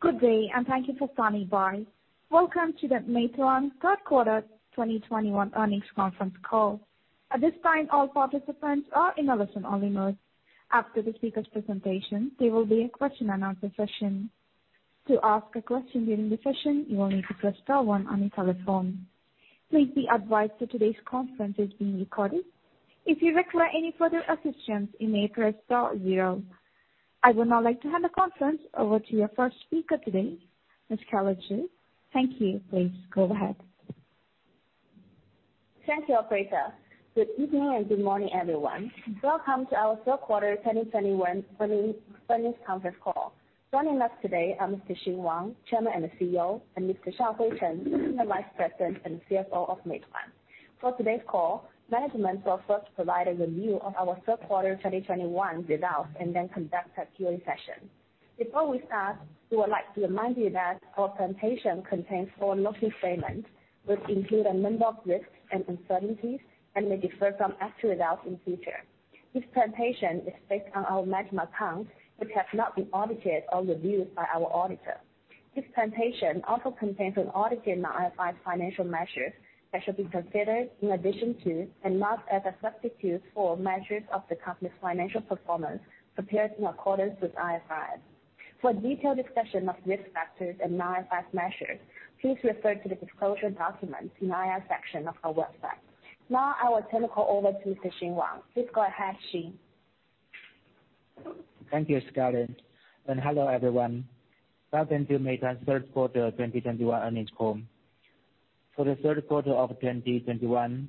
Good day, and thank you for standing by. Welcome to the Meituan Q3 2021 Earnings Conference Call. At this time, all participants are in a listen only mode. After the speaker's presentation, there will be a question and answer session. To ask a question during the session, you will need to press star one on your telephone. Please be advised that today's conference is being recorded. If you require any further assistance, you may press star zero. I would now like to hand the conference over to your first speaker today, Ms. Scarlett Xu. Thank you. Please go ahead. Thank you, operator. Good evening and good morning, everyone. Welcome to Our Q3 2021 Earnings Conference Call. Joining us today are Mr. Xing Wang, Chairman and CEO, and Mr. Shaohui Chen, Vice President and CFO of Meituan. For today's call, management will first provide a review of our Q3 2021 results and then conduct a Q&A session. Before we start, we would like to remind you that our presentation contains forward-looking statements, which include a number of risks and uncertainties and may differ from actual results in future. This presentation is based on our management accounts, which have not been audited or reviewed by our auditor. This presentation also contains unaudited non-IFRS financial measures that should be considered in addition to, and not as a substitute for, measures of the Company's financial performance prepared in accordance with IFRS. For a detailed discussion of risk factors and non-IFRS measures, please refer to the disclosure documents in IR section of our website. Now I will turn the call over to Mr. Xing Wang. Please go ahead, Xing. Thank you, Scarlett, and hello everyone. Welcome to Meituan's Q3 2021 Earnings Call. For the Q3 of 2021,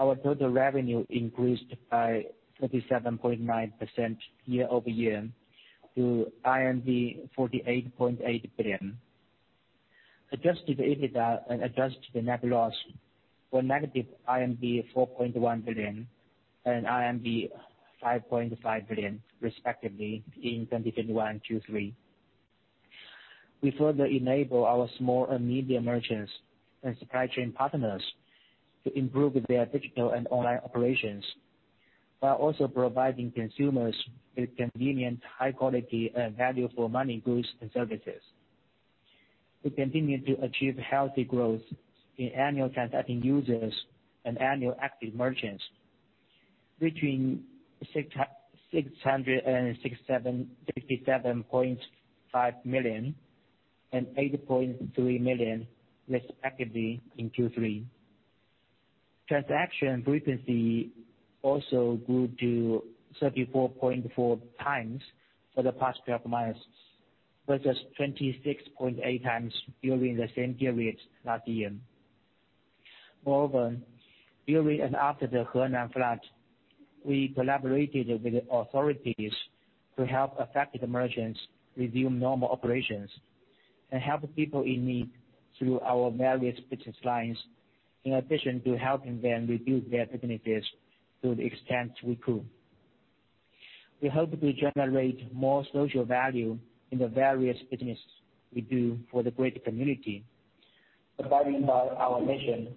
our total revenue increased by 37.9% year-over-year to 48.8 billion. Adjusted EBITDA and adjusted net loss were negative 4.1 billion and 5.5 billion respectively in 2021 Q3. We further enable our small and medium merchants and supply chain partners to improve their digital and online operations while also providing consumers with convenient, high quality and value for money, goods and services. We continue to achieve healthy growth in annual transacting users and annual active merchants, reaching 667.5 million and 8.3 million respectively in Q3. Transaction frequency also grew to 34.4x for the past twelve months versus 26.8x during the same period last year. Moreover, during and after the Henan flood, we collaborated with the authorities to help affected merchants resume normal operations and help people in need through our various business lines, in addition to helping them rebuild their businesses to the extent we could. We hope to generate more social value in the various business we do for the greater community, supporting our mission,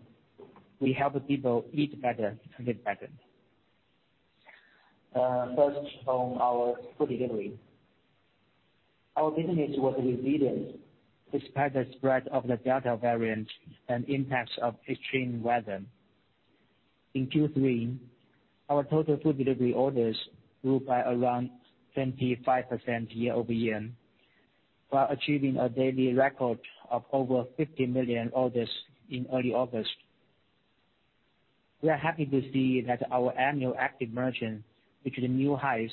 we help people eat better and live better. First on our Food Delivery, our business was resilient despite the spread of the Delta variant and impacts of extreme weather. In Q3, our total Food Delivery orders grew by around 25% year-over-year, while achieving a daily record of over 50 million orders in early August. We are happy to see that our annual active merchants reached new highs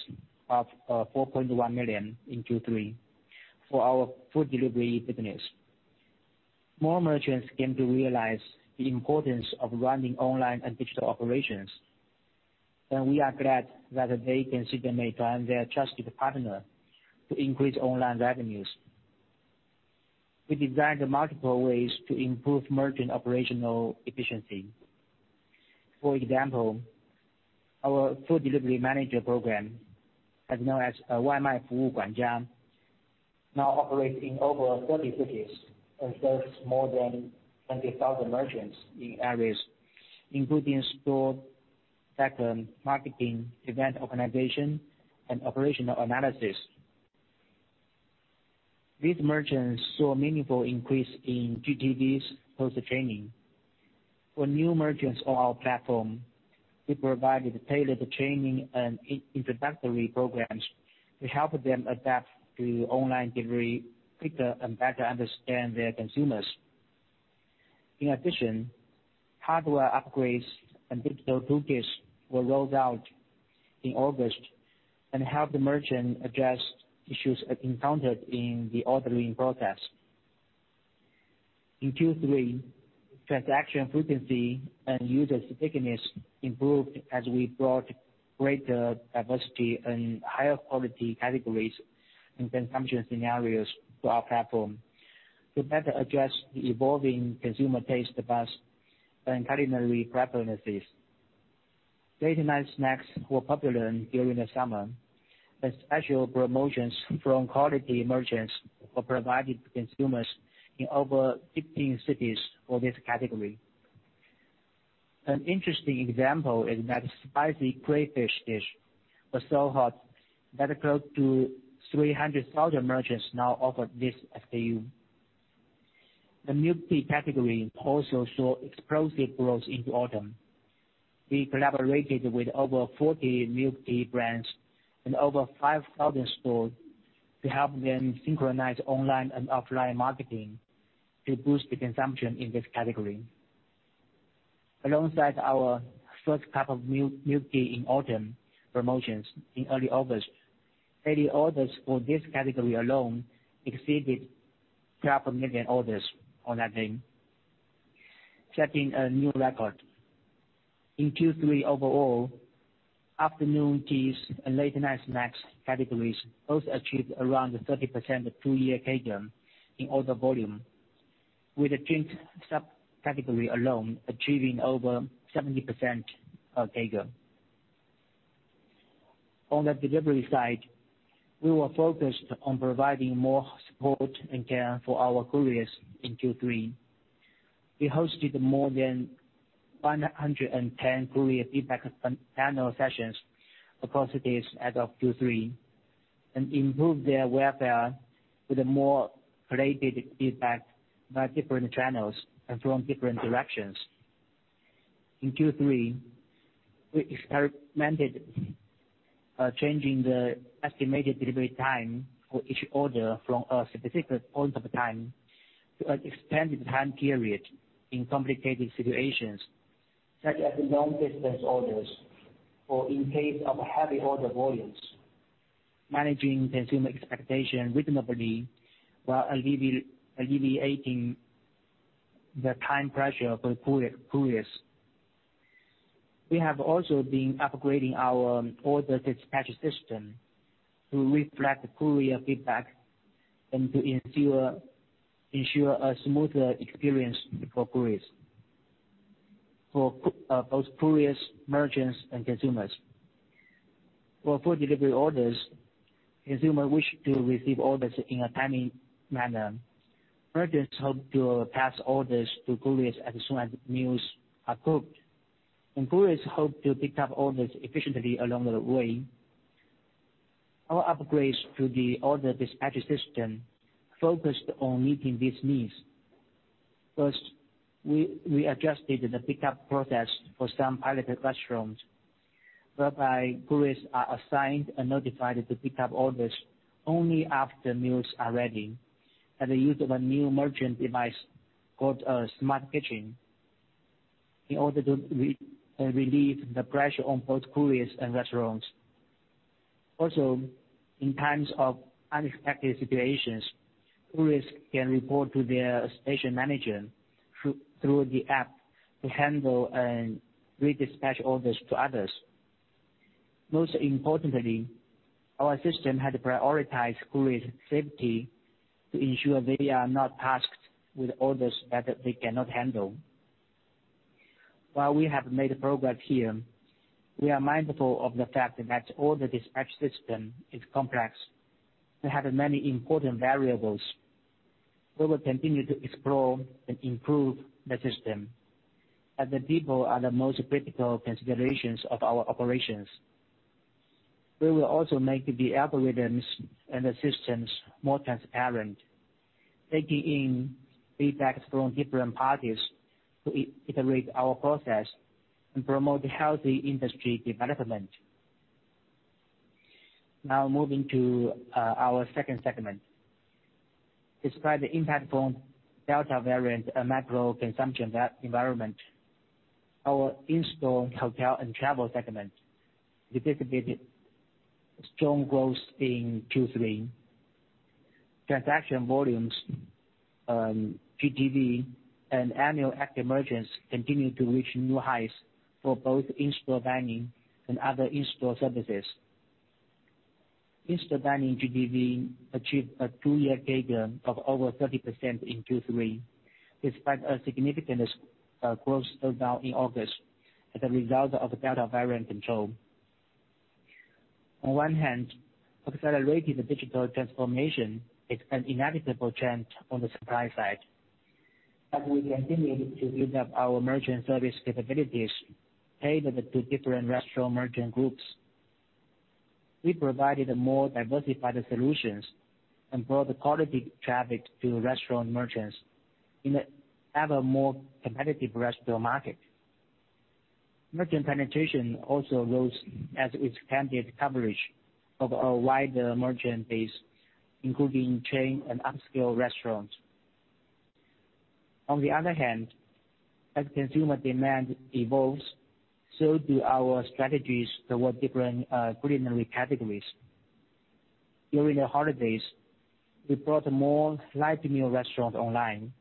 of 4.1 million in Q3 for our Food Delivery business. More merchants came to realize the importance of running online and digital operations, and we are glad that they consider Meituan their trusted partner to increase online revenues. We designed multiple ways to improve merchant operational efficiency. For example, our Food Delivery manager program, also known as WaiMai Fu Wu Guan Jia, now operates in over 30 cities and serves more than 20,000 merchants in areas including store back-end marketing, event organization, and operational analysis. These merchants saw a meaningful increase in GTVs post-training. For new merchants on our platform, we provided tailored training and introductory programs to help them adapt to online delivery quicker and better understand their consumers. In addition, hardware upgrades and digital toolkits were rolled out in August and helped the merchant address issues encountered in the ordering process. In Q3, transaction frequency and user stickiness improved as we brought greater diversity and higher quality categories and consumption scenarios to our platform to better address the evolving consumer taste buds and culinary preferences. Late night snacks were popular during the summer, and special promotions from quality merchants were provided to consumers in over 15 cities for this category. An interesting example is that spicy crayfish dish was so hot that close to 300,000 merchants now offer this SKU. The milk tea category also saw explosive growth into autumn. We collaborated with over 40 milk tea brands and over 5,000 stores to help them synchronize online and offline marketing to boost the consumption in this category. gAlongside our first cup of milk tea in autumn promotions in early August, daily orders for this category alone exceeded 12 million orders on that day, setting a new record. In Q3 overall, afternoon teas and late night snacks categories both achieved around 30% two-year CAGR in order volume, with the drink subcategory alone achieving over 70% CAGR. On the delivery side, we were focused on providing more support and care for our couriers in Q3. We hosted more than 110 courier feedback panel sessions across days as of Q3 and improved their welfare with a more curated feedback by different channels and from different directions. In Q3, we experimented changing the estimated delivery time for each order from a specific point of time to an extended time period in complicated situations such as long distance orders or in case of heavy order volumes, managing consumer expectation reasonably while alleviating the time pressure for couriers. We have also been upgrading our order dispatch system to reflect courier feedback and to ensure a smoother experience for both couriers, merchants, and consumers. For Food Delivery orders, consumers wish to receive orders in a timely manner. Merchants hope to pass orders to couriers as soon as meals are cooked, and couriers hope to pick up orders efficiently along the way. Our upgrades to the order dispatch system focused on meeting these needs. First, we adjusted the pickup process for some piloted restaurants, whereby couriers are assigned and notified to pick up orders only after meals are ready, and the use of a new merchant device called a smart kitchen in order to relieve the pressure on both couriers and restaurants. Also, in times of unexpected situations, couriers can report to their station manager through the app to handle and redispatch orders to others. Most importantly, our system had prioritized courier safety to ensure they are not tasked with orders that they cannot handle. While we have made progress here, we are mindful of the fact that the order dispatch system is complex and have many important variables. We will continue to explore and improve the system, and the people are the most critical considerations of our operations. We will also make the algorithms and the systems more transparent, taking in feedbacks from different parties to iterate our process and promote healthy industry development. Now moving to our second segment. Despite the impact from Delta variant and macro consumption environment, our In-store, Hotel and Travel segment posted strong growth in Q3. Transaction volumes, GTV and annual active merchants continued to reach new highs for both In-store dining and other In-store services. In-store dining GTV achieved a two-year CAGR of over 30% in Q3, despite a significant growth slowdown in August as a result of Delta variant control. On one hand, accelerating the digital transformation is an inevitable trend on the supply side, and we continue to build up our merchant service capabilities catered to different restaurant merchant groups. We provided more diversified solutions and brought quality traffic to restaurant merchants in an ever more competitive restaurant market. Merchant penetration also rose as we expanded coverage of our wider merchant base, including chain and upscale restaurants. On the other hand, as consumer demand evolves, so do our strategies toward different culinary categories. During the holidays, we brought more light meal restaurants online,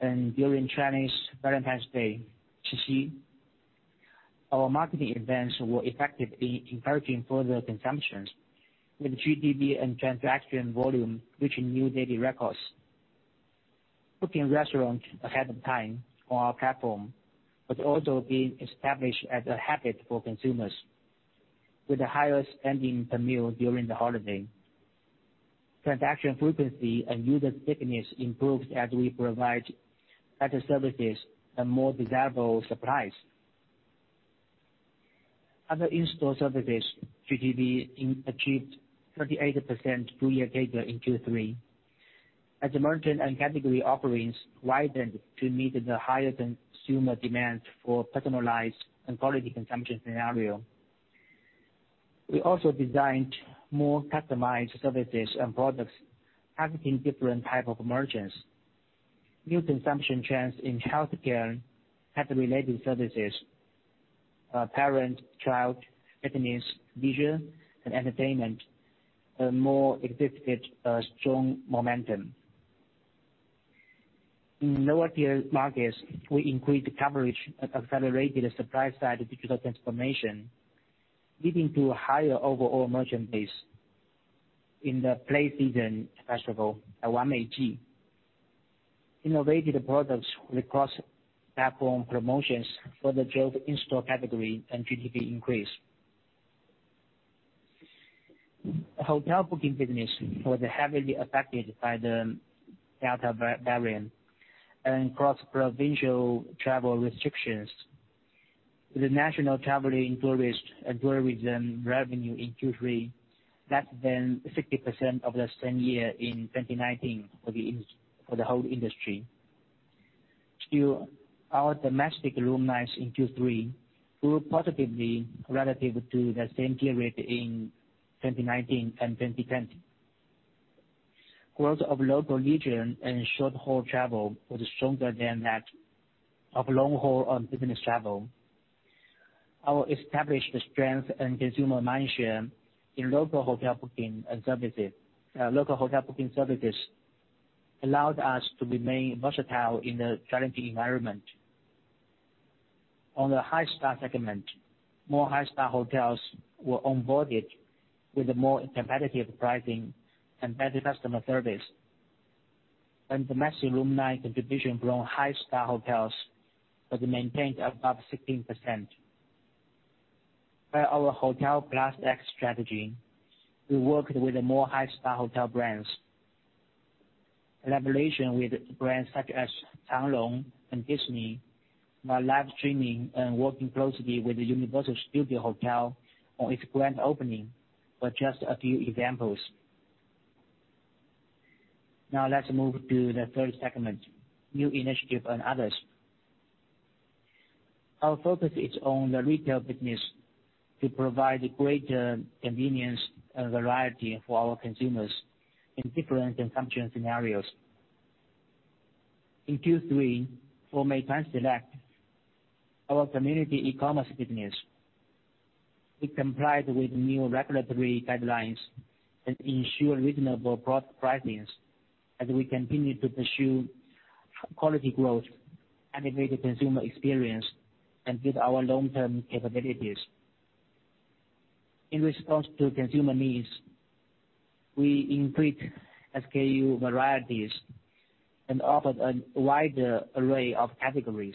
and during Chinese Valentine's Day, Qixi, our marketing events were effective in encouraging further consumption, with GTV and transaction volume reaching new daily records. Booking restaurants ahead of time on our platform was also being established as a habit for consumers, with the highest spending per meal during the holiday. Transaction frequency and user stickiness improved as we provide better services and more desirable supplies. Other In-store services GTV achieved 38% two-year CAGR in Q3. As the merchant and category offerings widened to meet the higher consumer demand for personalized and quality consumption scenario. We also designed more customized services and products targeting different type of merchants. New consumption trends in healthcare and pet-related services, parent-child happiness, leisure, and entertainment, more exhibited a strong momentum. In lower tier markets, we increased coverage and accelerated the supply side digital transformation, leading to higher overall merchant base in the Mid-Autumn Festival and National Day. We innovated products with cross-platform promotions that drove In-store category and GTV increase. Hotel booking business was heavily affected by the Delta variant and cross-provincial travel restrictions. The national travel and tourism revenue in Q3, less than 60% of the same year in 2019 for the whole industry. Still, our domestic room nights in Q3 grew positively relative to the same period in 2019 and 2020. Growth of local leisure and short-haul travel was stronger than that of long-haul and business travel. Our established strength and consumer mindshare in local Hotel booking services allowed us to remain versatile in the challenging environment. On the high star segment, more high star hotels were onboarded with more competitive pricing and better customer service. Domestic room night contribution from high star hotels was maintained above 16%. By our Hotel Plus X strategy, we worked with more high star hotel brands. Collaboration with brands such as Shangri-La and Disney, while live streaming and working closely with the Universal Studios Grand Hotel on its grand opening, were just a few examples. Now let's move to the third segment, New Initiatives and Others. Our focus is on the retail business to provide greater convenience and variety for our consumers in different consumption scenarios. In Q3, for Meituan Select, our community e-commerce business, we complied with new regulatory guidelines that ensure reasonable product pricing as we continue to pursue quality growth, elevated consumer experience, and build our long-term capabilities. In response to consumer needs, we increased SKU varieties and offered a wider array of categories.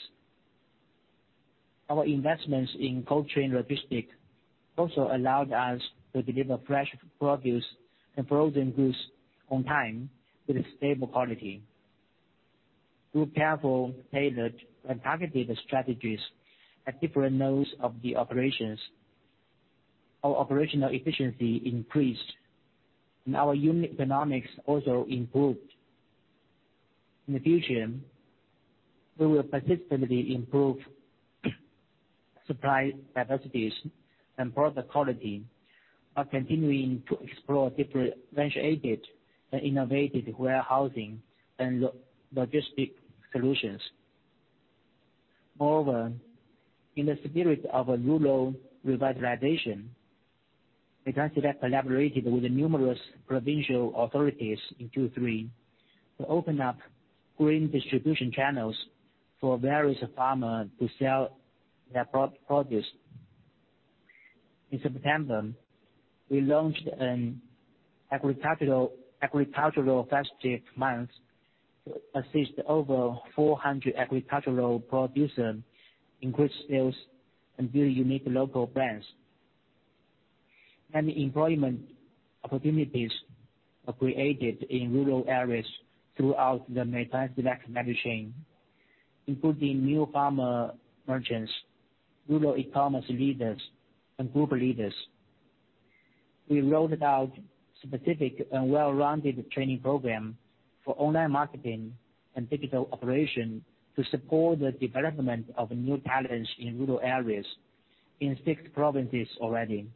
Our investments in cold chain logistics also allowed us to deliver fresh produce and frozen goods on time with a stable quality. Through careful, tailored, and targeted strategies at different nodes of the operations, our operational efficiency increased, and our unit economics also improved. In the future, we will persistently improve supply capacities and product quality, while continuing to explore different venture-aided and innovative warehousing and logistics solutions. Moreover, in the spirit of rural revitalization, Meituan Select collaborated with numerous provincial authorities in Q3 to open up green distribution channels for various farmers to sell their produce. In September, we launched an agricultural festive month to assist over 400 agricultural producers increase sales and build unique local brands. Many employment opportunities are created in rural areas throughout the Meituan Select value chain, including new farmer merchants, rural e-commerce leaders, and group leaders. We rolled out specific and well-rounded training program for online marketing and digital operation to support the development of new talents in rural areas in six provinces already.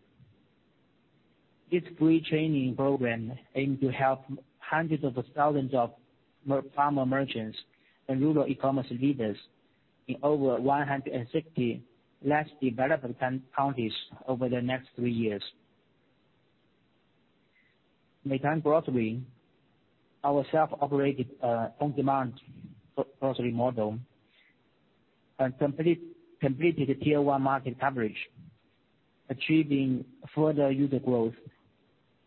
This free training program aimed to help hundreds of thousands of farmer merchants and rural e-commerce leaders in over 160 less developed counties over the next three years. Meituan Grocery, our self-operated on-demand grocery model, completed the tier one market coverage, achieving further user growth.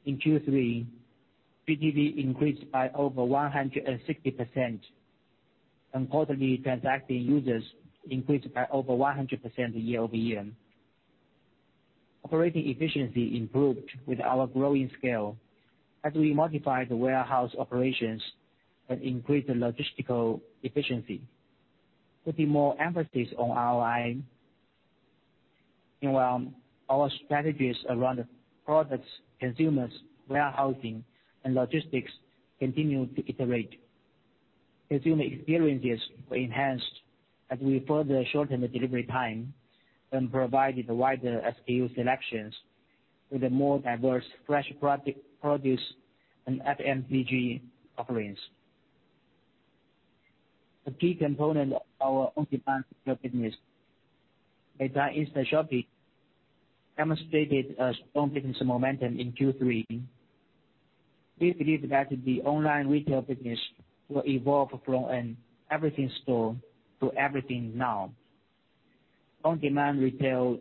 In Q3, GTV increased by over 160%, and quarterly transacting users increased by over 100% year-over-year. Operating efficiency improved with our growing scale as we modified the warehouse operations and increased the logistical efficiency, putting more emphasis on aligning our strategies around products, consumers, warehousing, and logistics continued to iterate. Consumer experiences were enhanced as we further shortened the delivery time and provided wider SKU selections with a more diverse fresh produce and FMCG offerings. A key component of our on-demand business, Meituan Instashopping, demonstrated a strong business momentum in Q3. We believe that the online retail business will evolve from an everything store to everything now. On-demand retail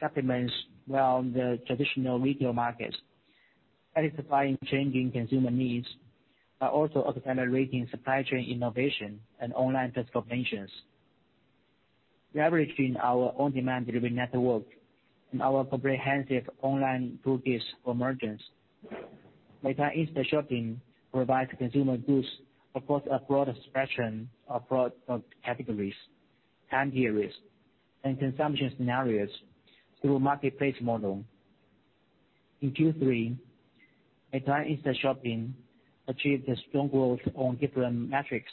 supplements around the traditional retail markets, identifying changing consumer needs, but also accelerating supply chain innovation and online transformations. Leveraging our on-demand delivery network and our comprehensive online tools for merchants, Meituan Instashopping provides consumer goods across a broad spectrum of categories, time areas, and consumption scenarios through marketplace model. In Q3, Meituan Instashopping achieved a strong growth on different metrics,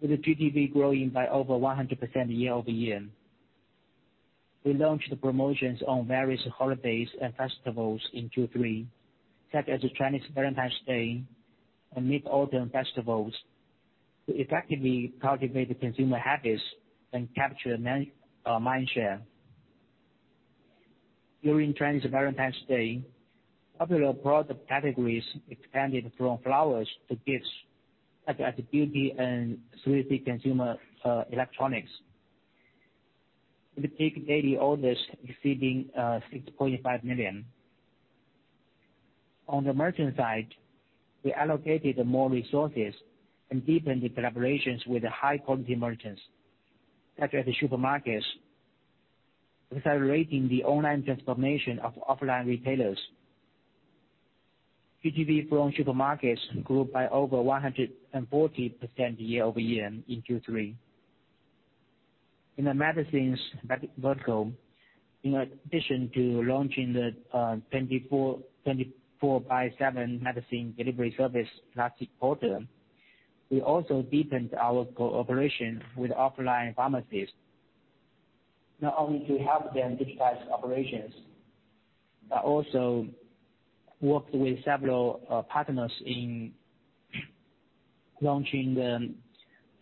with the GTV growing by over 100% year-over-year. We launched promotions on various holidays and festivals in Q3, such as the Chinese Valentine's Day and Mid-Autumn festivals, to effectively cultivate consumer habits and capture mindshare. During Chinese Valentine's Day, popular product categories expanded from flowers to gifts such as beauty and 3C consumer electronics, with peak daily orders exceeding 60.5 million. On the merchant side, we allocated more resources and deepened the collaborations with high-quality merchants, such as supermarkets, accelerating the online transformation of offline retailers. GTV from supermarkets grew by over 140% year-over-year in Q3. In the medicines vertical, in addition to launching the 24/7 medicine delivery service last quarter, we also deepened our cooperation with offline pharmacies, not only to help them digitize operations, but also worked with several partners in launching the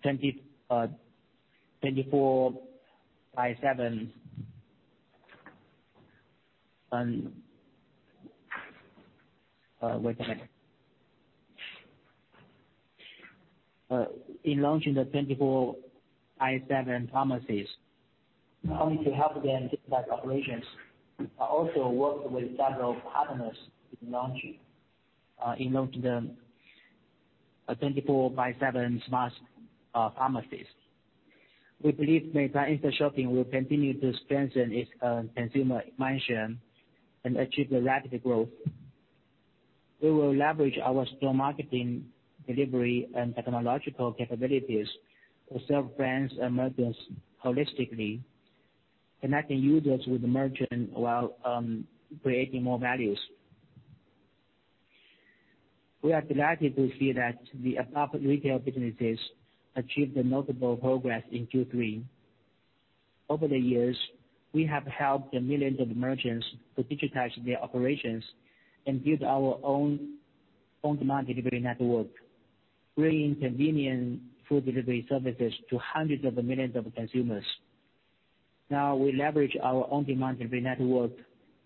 24/7 smart pharmacies. We believe Meituan Instashopping will continue to strengthen its consumer mindshare and achieve a rapid growth. We will leverage our store marketing, delivery, and technological capabilities to serve brands and merchants holistically, connecting users with the merchant while creating more values. gWe are delighted to see that the above retail businesses achieved a notable progress in Q3. Over the years, we have helped millions of merchants to digitize their operations and build our own on-demand delivery network, bringing convenient Food Delivery services to hundreds of millions of consumers. Now we leverage our on-demand delivery network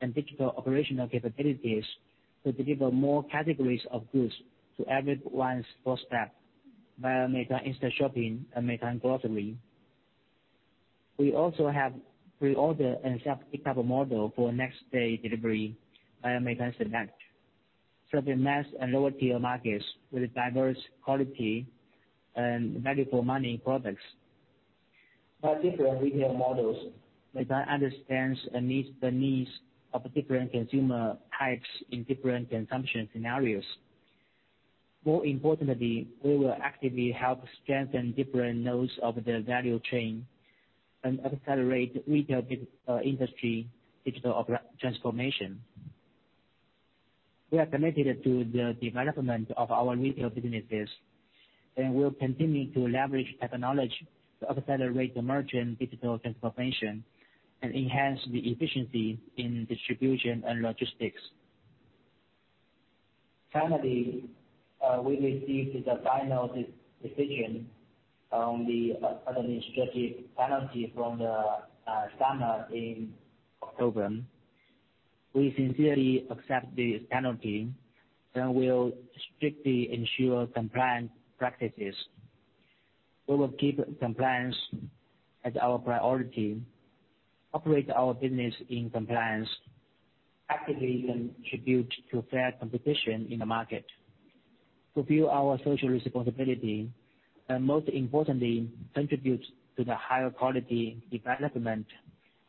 and digital operational capabilities to deliver more categories of goods to everyone's doorstep via Meituan Instashopping and Meituan Grocery. We also have pre-order and self-pickup model for next day delivery via Meituan Select, serving mass and lower tier markets with diverse quality and value for money products. By different retail models, Meituan understands the needs of different consumer types in different consumption scenarios. More importantly, we will actively help strengthen different nodes of the value chain and accelerate retail industry digital transformation. We are committed to the development of our retail businesses, and we'll continue to leverage technology to accelerate the merchant digital transformation and enhance the efficiency in distribution and logistics. Finally, we received the final decision on the antitrust penalty from the SAMR in October. We sincerely accept the penalty and will strictly ensure compliance practices. We will keep compliance as our priority, operate our business in compliance, actively contribute to fair competition in the market to build our social responsibility, and most importantly, contribute to the higher quality development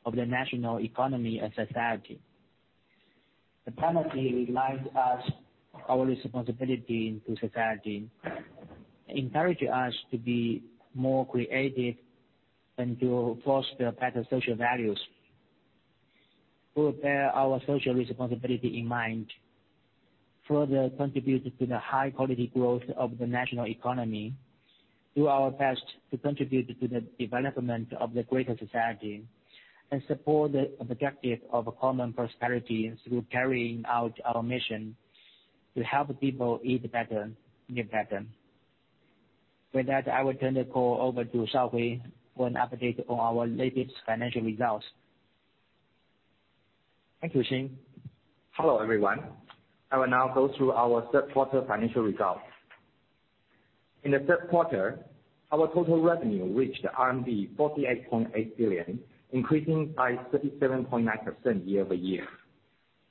of the national economy and society. The penalty reminds us our responsibility to society, encouraging us to be more creative and to foster better social values. To bear our social responsibility in mind, further contribute to the high quality growth of the national economy. Do our best to contribute to the development of the greater society and support the objective of common prosperity through carrying out our mission to help people eat better, live better. With that, I will turn the call over to Shaohui for an update on our latest financial results. Thank you, Xing. Hello, everyone. I will now go through our Q3 financial results. In the Q3, our total revenue reached RMB 48.8 billion, increasing by 37.9% year-over-year.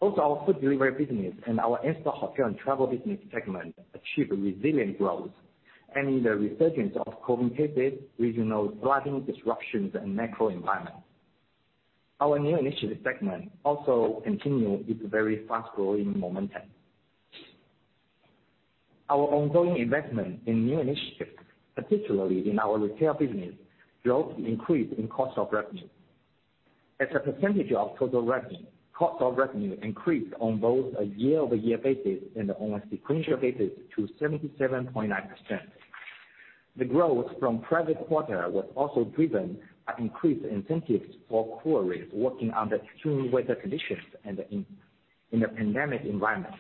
Both our Food Delivery business and our In-store, Hotel and Travel business segment achieved resilient growth even in the resurgence of COVID cases, regional flooding disruptions and macro environment. Our New Initiative segment also continue its very fast-growing momentum. Our ongoing investment in New Initiatives, particularly in our retail business, drove the increase in cost of revenue. As a percentage of total revenue, cost of revenue increased on both a year-over-year basis and on a sequential basis to 77.9%. The growth from prior quarter was also driven by increased incentives for couriers working under extreme weather conditions and in a pandemic environment.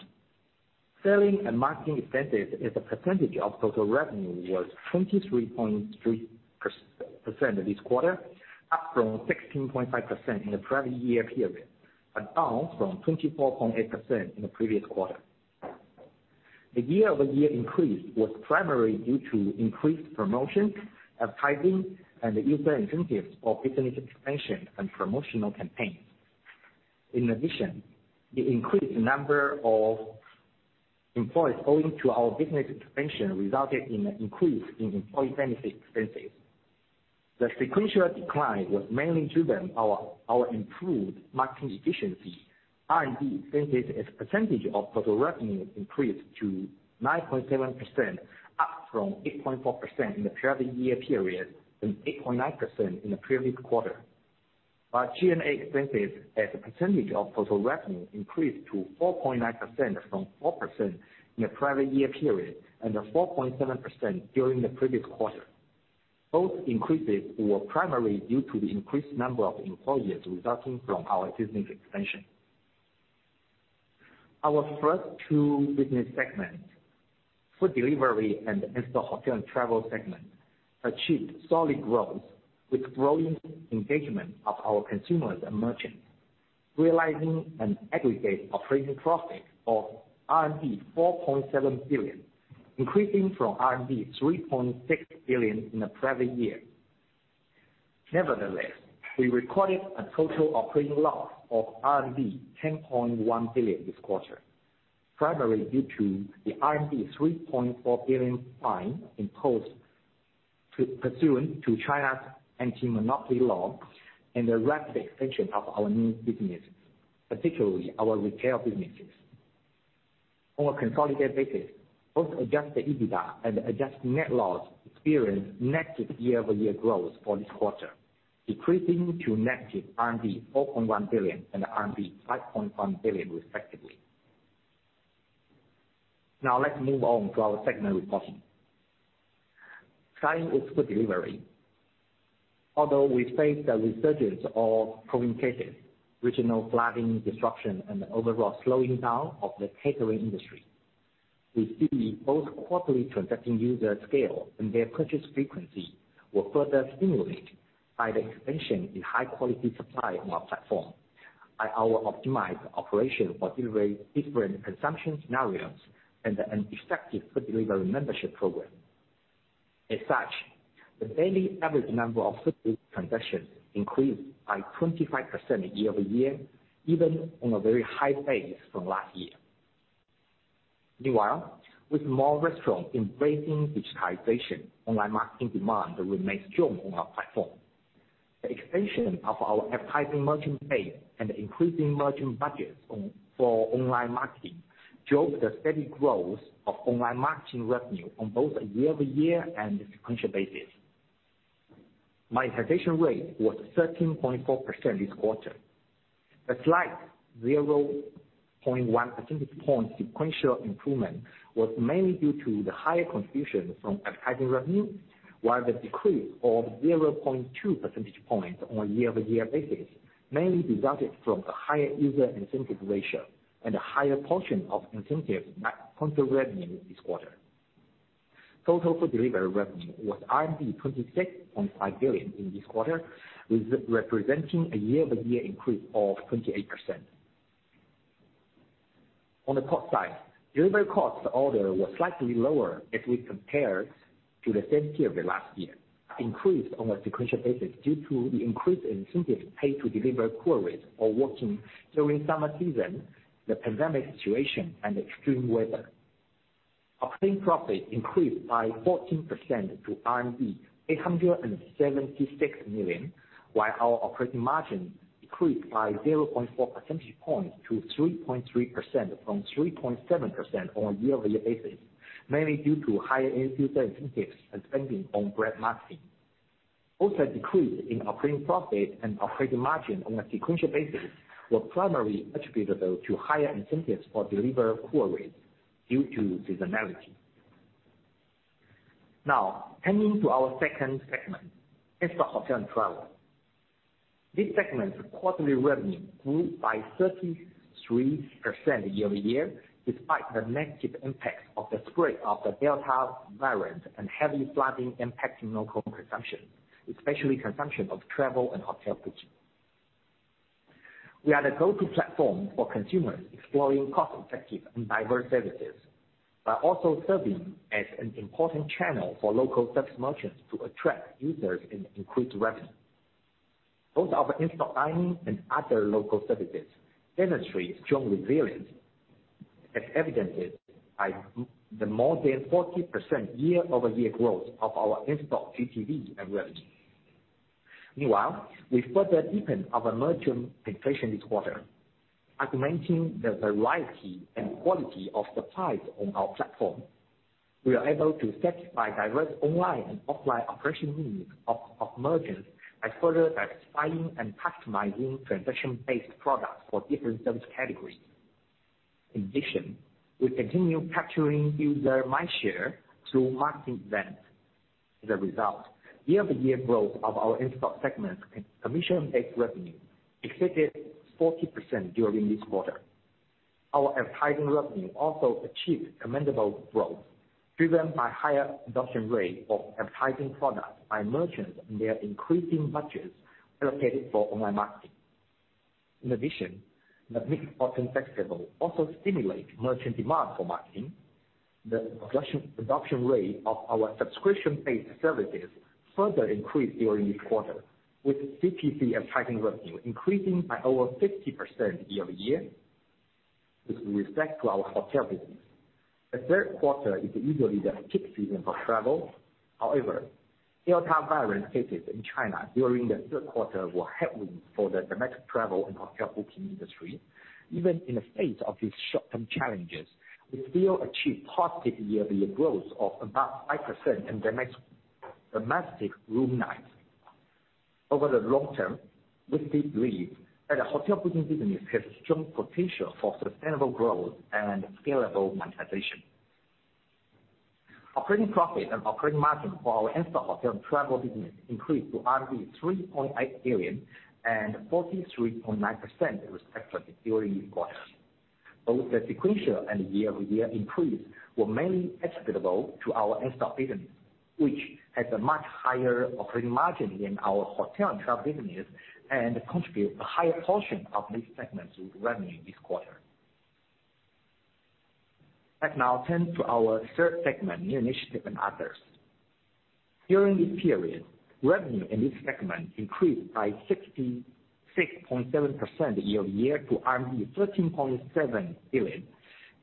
Selling and marketing expenses as a percentage of total revenue was 23.3% this quarter, up from 16.5% in the prior year period, but down from 24.8% in the previous quarter. The year-over-year increase was primarily due to increased promotion, advertising and user incentives for business expansion and promotional campaigns. In addition, the increased number of employees owing to our business expansion resulted in an increase in employee benefit expenses. The sequential decline was mainly driven by our improved marketing efficiency. R&D expenses as a percentage of total revenue increased to 9.7%, up from 8.4% in the prior year period and 8.9% in the previous quarter. Our G&A expenses as a percentage of total revenue increased to 4.9% from 4% in the prior year period and 4.7% during the previous quarter. Both increases were primarily due to the increased number of employees resulting from our business expansion. Our first two business segments, Food Delivery and In-store, Hotel and Travel segment, achieved solid growth with growing engagement of our consumers and merchants, realizing an aggregate operating profit of 4.7 billion, increasing from 3.6 billion in the prior year. Nevertheless, we recorded a total operating loss of 10.1 billion this quarter, primarily due to the 3.4 billion fine imposed pursuant to China's Anti-Monopoly Law and the rapid expansion of our new business, particularly our retail businesses. On a consolidated basis, both Adjusted EBITDA and adjusted net loss experienced negative year-over-year growth for this quarter, decreasing to negative RMB 4.1 billion and RMB 5.1 billion respectively. Now let's move on to our segment reporting. Starting with Food Delivery. Although we face the resurgence of COVID cases, regional flooding disruption and the overall slowing down of the catering industry, we see both quarterly transacting user scale and their purchase frequency were further stimulated by the expansion in high quality supply on our platform, by our optimized operation for delivering different consumption scenarios and an effective Food Delivery membership program. As such, the daily average number of Food Delivery transactions increased by 25% year-over-year, even on a very high base from last year. Meanwhile, with more restaurants embracing digitization, online marketing demand remains strong on our platform. The expansion of our advertising merchant base and increasing merchant budgets for online marketing drove the steady growth of online marketing revenue on both a year-over-year and sequential basis. Monetization rate was 13.4% this quarter. A slight 0.1 percentage point sequential improvement was mainly due to the higher contribution from advertising revenue, while the decrease of 0.2 percentage points on a year-over-year basis mainly resulted from a higher user incentive ratio and a higher portion of incentives in net total revenue this quarter. Total Food Delivery revenue was RMB 26.5 billion in this quarter, representing a year-over-year increase of 28%. On the cost side, delivery cost per order was slightly lower as compared to the same period last year. Increased on a sequential basis due to the increase in incentives paid to delivery couriers or working during summer season, the pandemic situation, and extreme weather. Operating profit increased by 14% to RMB 876 million, while our operating margin decreased by 0.4 percentage points to 3.3% from 3.7% on a year-over-year basis, mainly due to higher incentives and spending on brand marketing. Also a decrease in operating profit and operating margin on a sequential basis was primarily attributable to higher incentives for delivery couriers due to seasonality. Now turning to our second segment, In-store, Hotel and Travel. This segment's quarterly revenue grew by 33% year-over-year, despite the negative impacts of the spread of the Delta variant and heavy flooding impacting local consumption, especially consumption of Travel and Hotel booking. We are the go-to platform for consumers exploring cost-effective and diverse services, while also serving as an important channel for local service merchants to attract users and increase revenue. Both our In-store dining and other local services demonstrate strong resilience, as evidenced by the more than 40% year-over-year growth of our In-store GTV and revenue. Meanwhile, we further deepen our merchant penetration this quarter. As we maintain the variety and quality of supplies on our platform, we are able to satisfy diverse online and offline operational needs of merchants by further diversifying and customizing transaction-based products for different service categories. In addition, we continue capturing user mindshare through marketing events. As a result, year-over-year growth of our In-store segment commission-based revenue exceeded 40% during this quarter. Our advertising revenue also achieved commendable growth, driven by higher adoption rate of advertising products by merchants and their increasing budgets allocated for online marketing. In addition, the Mid-Autumn Festival also stimulated merchant demand for marketing. The production rate of our subscription-based services further increased during this quarter, with CPC advertising revenue increasing by over 50% year-over-year. With respect to our Hotel business, the Q3 is usually the peak season for travel. However, Delta variant cases in China during the Q3 were headwind for the domestic Travel and Hotel booking industry. Even in the face of these short-term challenges, we still achieved positive year-over-year growth of about 5% in domestic room nights. Over the long term, we deeply believe that the Hotel booking business has strong potential for sustainable growth and scalable monetization. Operating profit and operating margin for our In-store, Hotel and Travel business increased to 3.8 billion and 43.9%, respectively, during this quarter. Both the sequential and year-over-year increase were mainly attributable to our In-store business, which has a much higher operating margin than our Hotel and Travel business, and contribute a higher portion of this segment's revenue this quarter. Let's now turn to our third segment, New Initiative and Others. During this period, revenue in this segment increased by 66.7% year-over-year to RMB 13.7 billion,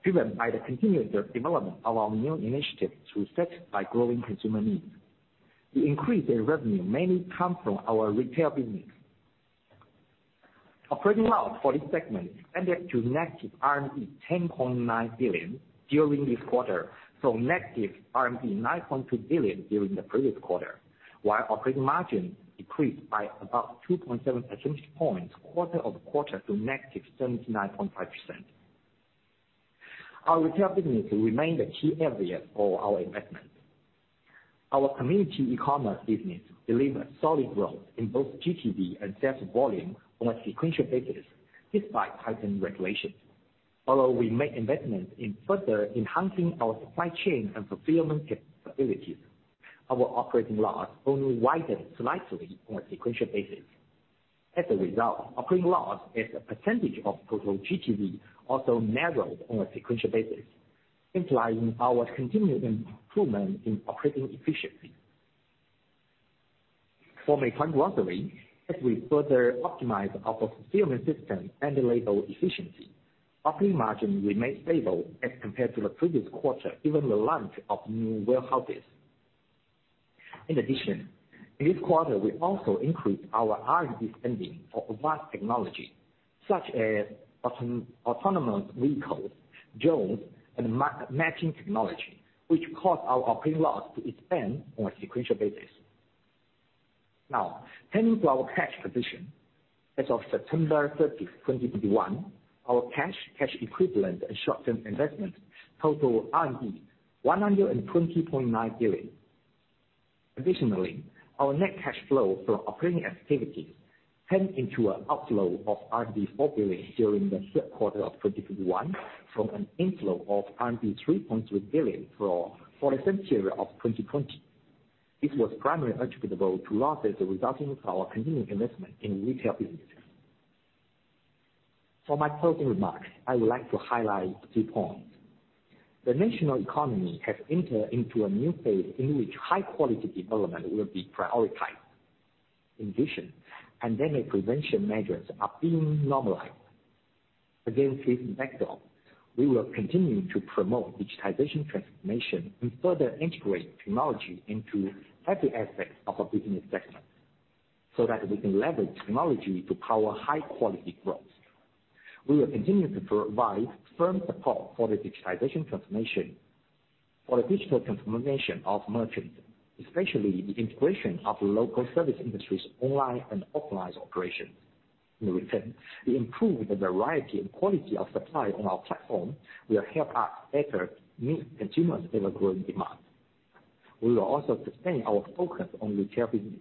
driven by the continued development of our New Initiatives to satisfy growing consumer needs. The increase in revenue mainly come from our retail business. Operating loss for this segment expanded to negative 10.9 billion during this quarter, from negative 9.2 billion during the previous quarter, while operating margin decreased by about 2.7 percentage points quarter-over-quarter to negative 79.5%. Our retail business remained a key area for our investment. Our community e-commerce business delivered solid growth in both GTV and sales volume on a sequential basis, despite tightened regulations. Although we made investments in further enhancing our supply chain and fulfillment capabilities, our operating loss only widened slightly on a sequential basis. As a result, operating loss as a percentage of total GTV also narrowed on a sequential basis, implying our continuing improvement in operating efficiency. For Meituan Grocery, as we further optimize our fulfillment system and labor efficiency, operating margin remained stable as compared to the previous quarter, given the launch of new warehouses. In addition, in this quarter, we also increased our R&D spending for advanced technology such as autonomous vehicles, drones and mapping technology, which caused our operating loss to expand on a sequential basis. Now, turning to our cash position. As of September 30, 2021, our cash equivalents and short-term investments total 120.9 billion. Additionally, our net cash flow from operating activities turned into an outflow of RMB 4 billion during the Q3 of 2021 from an inflow of RMB 3.3 billion for the same period of 2020. This was primarily attributable to losses resulting from our continued investment in retail business. For my closing remarks, I would like to highlight two points. The national economy has entered into a new phase in which high quality development will be prioritized. In addition, pandemic prevention measures are being normalized. Against this backdrop, we will continue to promote digitization transformation and further integrate technology into every aspect of our business segment so that we can leverage technology to power high quality growth. We will continue to provide firm support for the digitization transformation or the digital transformation of merchants, especially the integration of local service industries online and offline operations. In return, the improved variety and quality of supply on our platform will help us better meet consumers and their growing demand. We will also sustain our focus on retail business.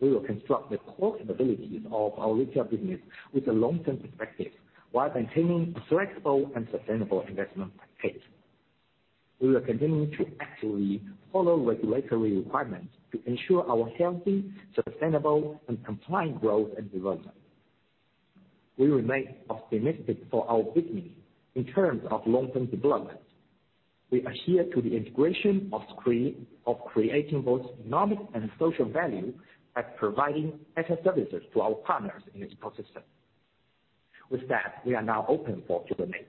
We will construct the core capabilities of our retail business with a long-term perspective, while maintaining a flexible and sustainable investment pace. We will continue to actively follow regulatory requirements to ensure our healthy, sustainable, and compliant growth and development. We remain optimistic for our business in terms of long-term development. We adhere to the integration of creating both economic and social value by providing extra services to our partners in this process. With that, we are now open for Q&A.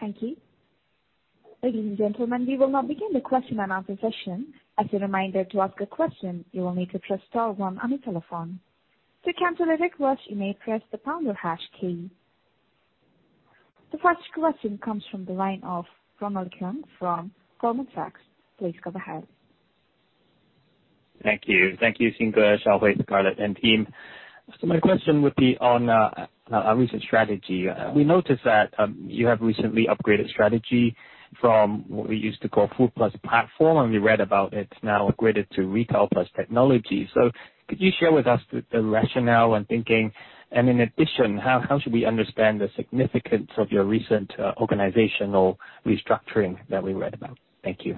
Thank you. Ladies and gentlemen, we will now begin the question and answer session. As a reminder, to ask a question, you will need to press star one on your telephone. To cancel a request, you may press the pound or hash key. The first question comes from the line of Ronald Keung from Goldman Sachs. Please go ahead. Thank you. Thank you, Xing Wang, Shaohui Chen, Scarlett Xu, and team. My question would be on recent strategy. We noticed that you have recently upgraded strategy from what we used to call Food Plus Platform, and we read about it now upgraded to Retail Plus Technology. Could you share with us the rationale and thinking? In addition, how should we understand the significance of your recent organizational restructuring that we read about? Thank you.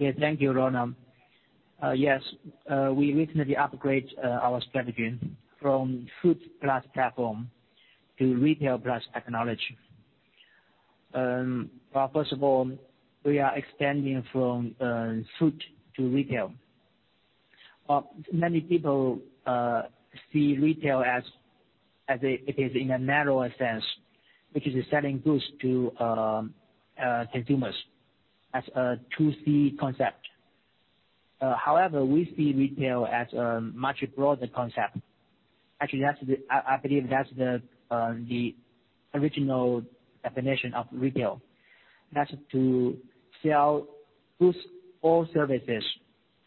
Okay. Thank you, Ronald. Yes, we recently upgrade our strategy from Food Plus Platform to Retail Plus Technology. Well, first of all, we are extending from food to retail. Many people see retail as it is in a narrower sense, which is selling goods to consumers as a 2C concept. However, we see retail as a much broader concept. Actually, that's the original definition of retail. That's to sell goods or services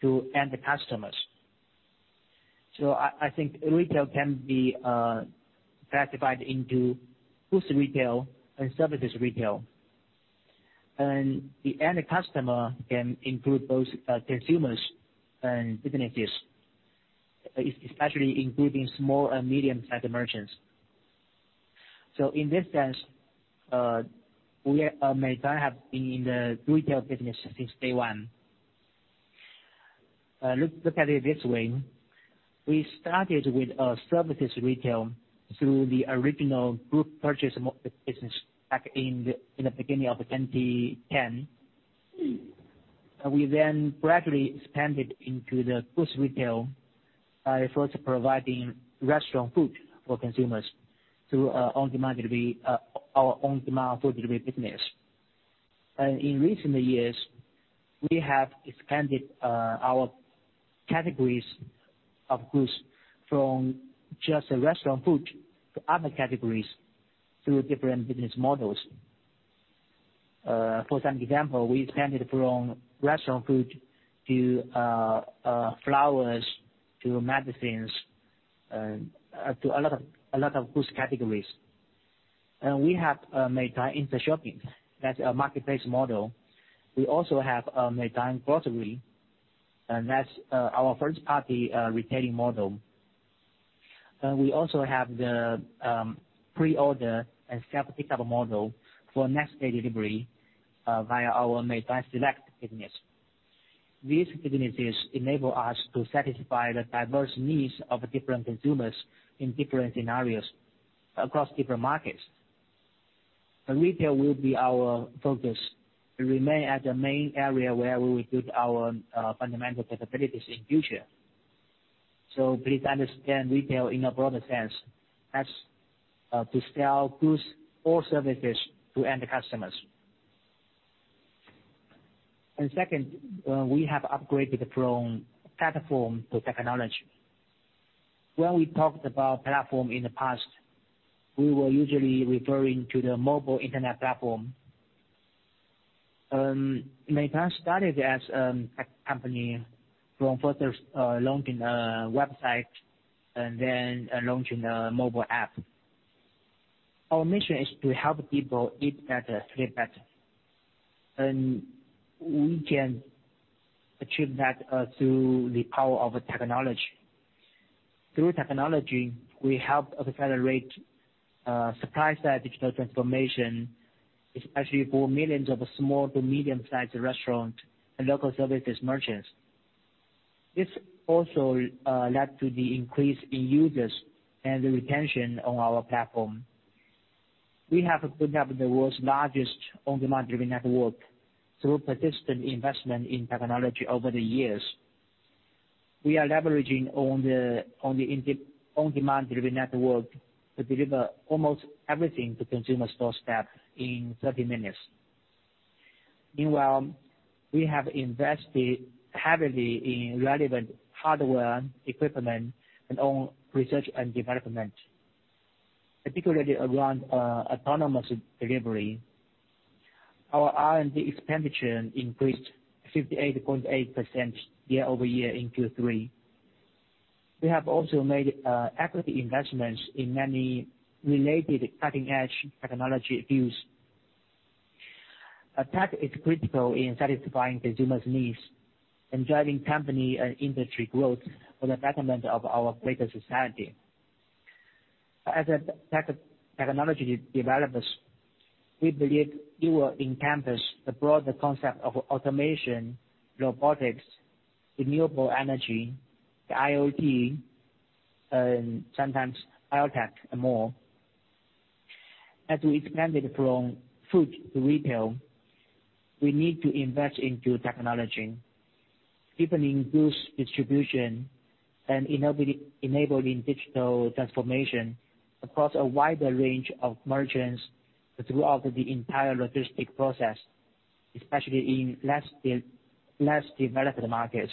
to end customers. I think retail can be classified into wholesale retail and services retail. The end customer can include both consumers and businesses, especially including small and medium-sized merchants. In this sense, we at Meituan have been in the retail business since day one. Look at it this way. We started with services retail through the original group purchase business back in the beginning of 2010. We then gradually expanded into the wholesale retail by first providing restaurant food for consumers through on-demand delivery, our on-demand Food Delivery business. In recent years, we have expanded our categories of goods from just restaurant food to other categories through different business models. For example, we expanded from restaurant food to flowers to medicines to a lot of goods categories. We have Meituan Instashopping, that's our marketplace model. We also have Meituan Grocery, and that's our first-party retailing model. We also have the pre-order and self-pickup model for next day delivery via our Meituan Select business. These businesses enable us to satisfy the diverse needs of different consumers in different scenarios across different markets. The retail will be our focus to remain as the main area where we will build our fundamental capabilities in future. Please understand retail in a broader sense as to sell goods or services to end customers. Second, we have upgraded from platform to technology. When we talked about platform in the past, we were usually referring to the mobile internet platform. Meituan started as a company from first launching a website and then launching a mobile app. Our mission is to help people eat better, sleep better, and we can achieve that through the power of technology. Through technology, we help accelerate supply-side digital transformation, especially for millions of small- to medium-sized restaurant and local services merchants. This also led to the increase in users and the retention on our platform. We have built up the world's largest on-demand delivery network through persistent investment in technology over the years. We are leveraging on the on-demand delivery network to deliver almost everything to consumer's doorstep in 30 minutes. Meanwhile, we have invested heavily in relevant hardware, equipment and in research and development, particularly around autonomous delivery. Our R&D expenditure increased 58.8% year-over-year in Q3. We have also made equity investments in many related cutting-edge technology fields. Tech is critical in satisfying consumers' needs and driving company and industry growth for the betterment of our greater society. As a technology developers, we believe it will encompass the broader concept of automation, robotics, renewable energy, IoT, sometimes IoT tech and more. As we expanded from food to retail, we need to invest into technology, deepening goods distribution and enabling digital transformation across a wider range of merchants throughout the entire logistic process, especially in less developed markets.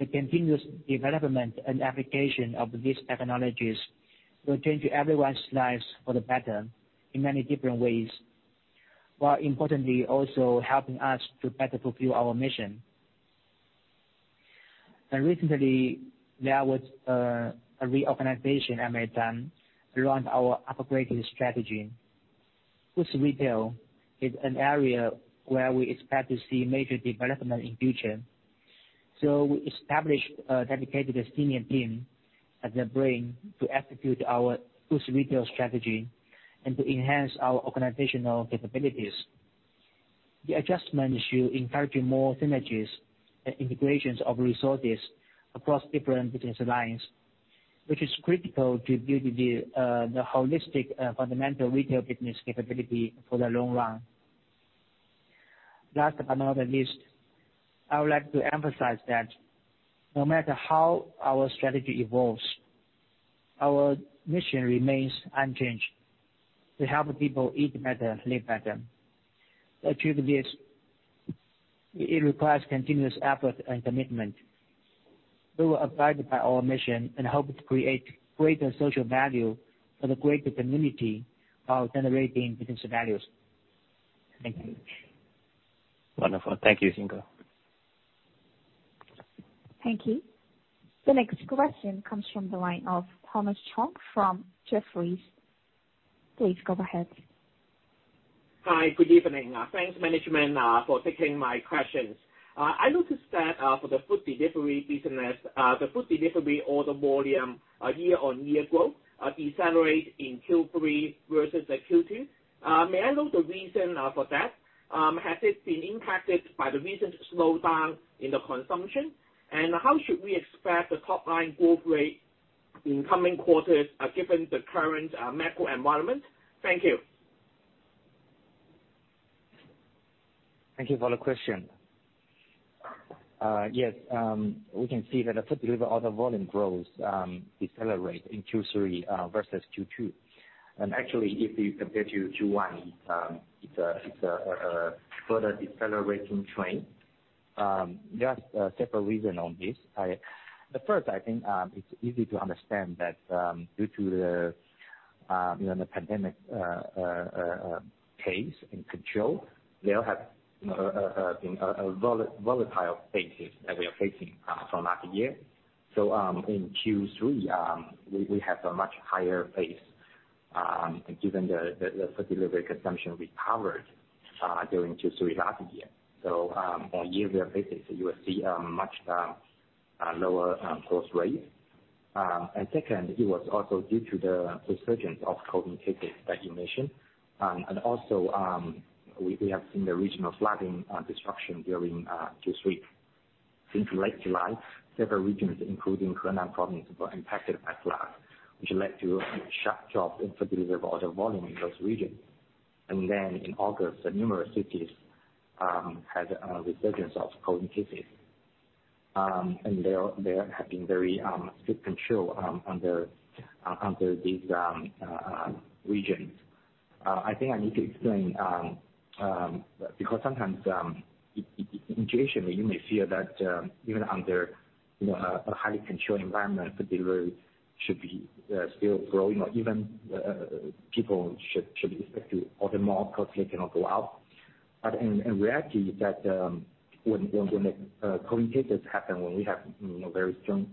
The continuous development and application of these technologies will change everyone's lives for the better in many different ways, while importantly also helping us to better fulfill our mission. Recently, there was a reorganization at Meituan around our upgraded strategy. Food retail is an area where we expect to see major development in future. We established a dedicated senior team as the brain to execute our food retail strategy and to enhance our organizational capabilities. The adjustments will encourage more synergies and integrations of resources across different business lines, which is critical to build the holistic fundamental retail business capability for the long run. Last but not the least, I would like to emphasize that no matter how our strategy evolves, our mission remains unchanged. To help people eat better, live better. To achieve this, it requires continuous effort and commitment. We will abide by our mission and hope to create greater social value for the greater community while generating business values. Thank you. Wonderful. Thank you, Xing Wang. Thank you. The next question comes from the line of Thomas Chong from Jefferies. Please go ahead. Hi. Good evening. Thanks management for taking my questions. I noticed that for the Food Delivery business, the Food Delivery order volume year-on-year growth decelerate in Q3 versus the Q2. May I know the reason for that? Has it been impacted by the recent slowdown in the consumption? How should we expect the top line growth rate in coming quarters given the current macro environment? Thank you. Thank you for the question. Yes, we can see that the Food Delivery order volume growth decelerate in Q3 versus Q2. Actually, if you compare to Q1, it's a further decelerating trend. There are several reason on this. The first, I think, it's easy to understand that due to you know the pandemic pace and control, they all have you know been volatile phases that we are facing from last year. In Q3, we have a much higher pace given that the Food Delivery consumption recovered during Q3 last year. On year-over-year basis, you will see a much lower growth rate. Second, it was also due to the resurgence of COVID cases in the nation. We have seen the regional flooding disruption during Q3. Since late July, several regions, including Henan Province, were impacted by floods, which led to a sharp drop in Food Delivery order volume in those regions. In August, numerous cities had a resurgence of COVID cases. There have been very strict controls in these regions. I think I need to explain because sometimes, unintentionally, you may feel that, even under, you know, a highly controlled environment, the delivery should be still growing or even people should be expected to order more because they cannot go out. In reality, when the COVID cases happen, when we have, you know, very strong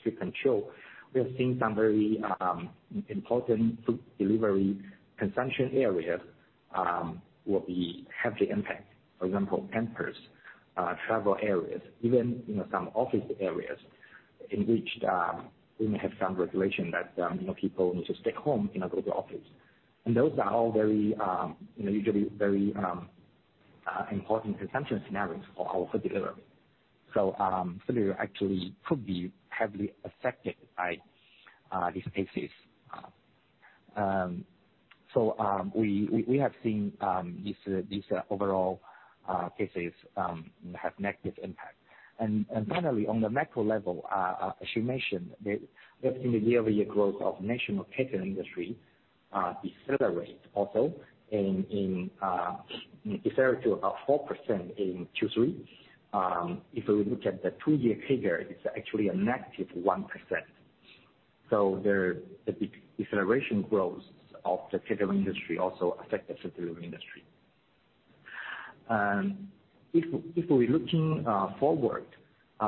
strict control, we have seen some very important Food Delivery consumption areas will be heavily impacted. For example, in-person travel areas, even, you know, some office areas in which we may have some regulation that, you know, people need to stay home, you know, go to office. Those are all very, you know, usually very important consumption scenarios for our Food Delivery. Food Delivery actually could be heavily affected by these cases. We have seen these overall cases have negative impact. Finally, on the macro level, as you mentioned, the year-over-year growth of national catering industry decelerate also in decelerate to about 4% in Q3. If we look at the two-year figure, it's actually a negative 1%. There's a deceleration growth of the catering industry also affect the Food Delivery industry. If we're looking forward,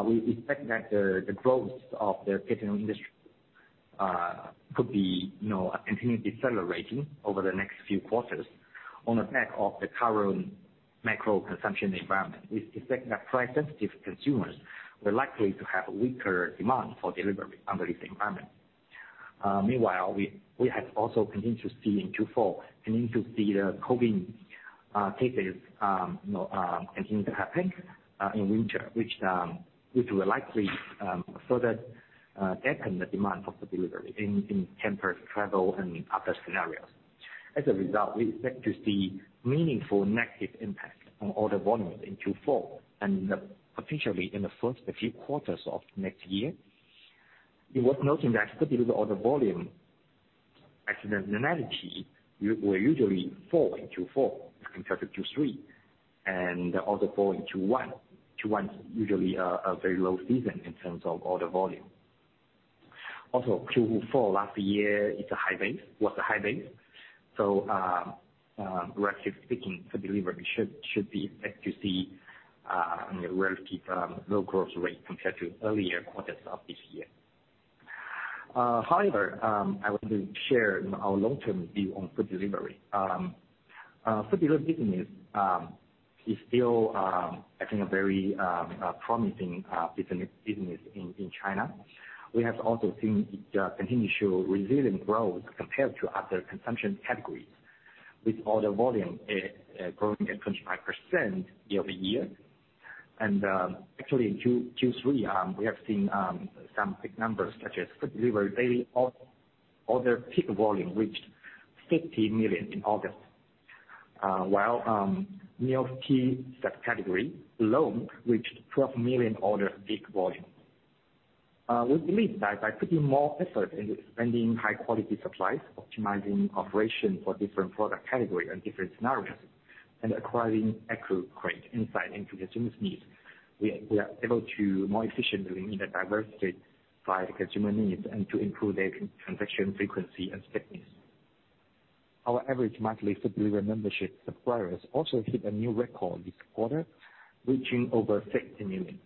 we expect that the growth of the catering industry could be, you know, continue decelerating over the next few quarters on the back of the current macro consumption environment. We expect that price-sensitive consumers will likely to have weaker demand for delivery under this environment. Meanwhile, we have also continued to see in Q4 the COVID cases continue to happen in winter, which will likely further dampen the demand for Food Delivery, In-store, Travel and Other scenarios. As a result, we expect to see meaningful negative impact on order volume in Q4 and potentially in the first few quarters of next year. It's worth noting that Food Delivery order volume as a normalcy usually will fall in Q4 compared to Q3 and also fall in Q1, Q2. Q1's usually a very low season in terms of order volume. Also, Q4 last year was a high base. Relatively speaking, Food Delivery should be expected to see, you know, relatively low growth rate compared to earlier quarters of this year. However, I want to share our long-term view on Food Delivery. Food Delivery business is still, I think, a very promising business in China. We have also seen it continue to show resilient growth compared to other consumption categories with order volume growing at 25% year-over-year. Actually in Q3, we have seen some big numbers such as Food Delivery daily order peak volume reached 50 million in August. While meal kits subcategory alone reached 12 million order peak volume. We believe that by putting more effort into expanding high quality supplies, optimizing operation for different product category and different scenarios, and acquiring accurate insight into consumers needs, we are able to more efficiently meet the diverse needs of consumers and to improve their consumer transaction frequency and stickiness. Our average monthly Food Delivery membership subscribers also hit a new record this quarter, reaching over 60 million.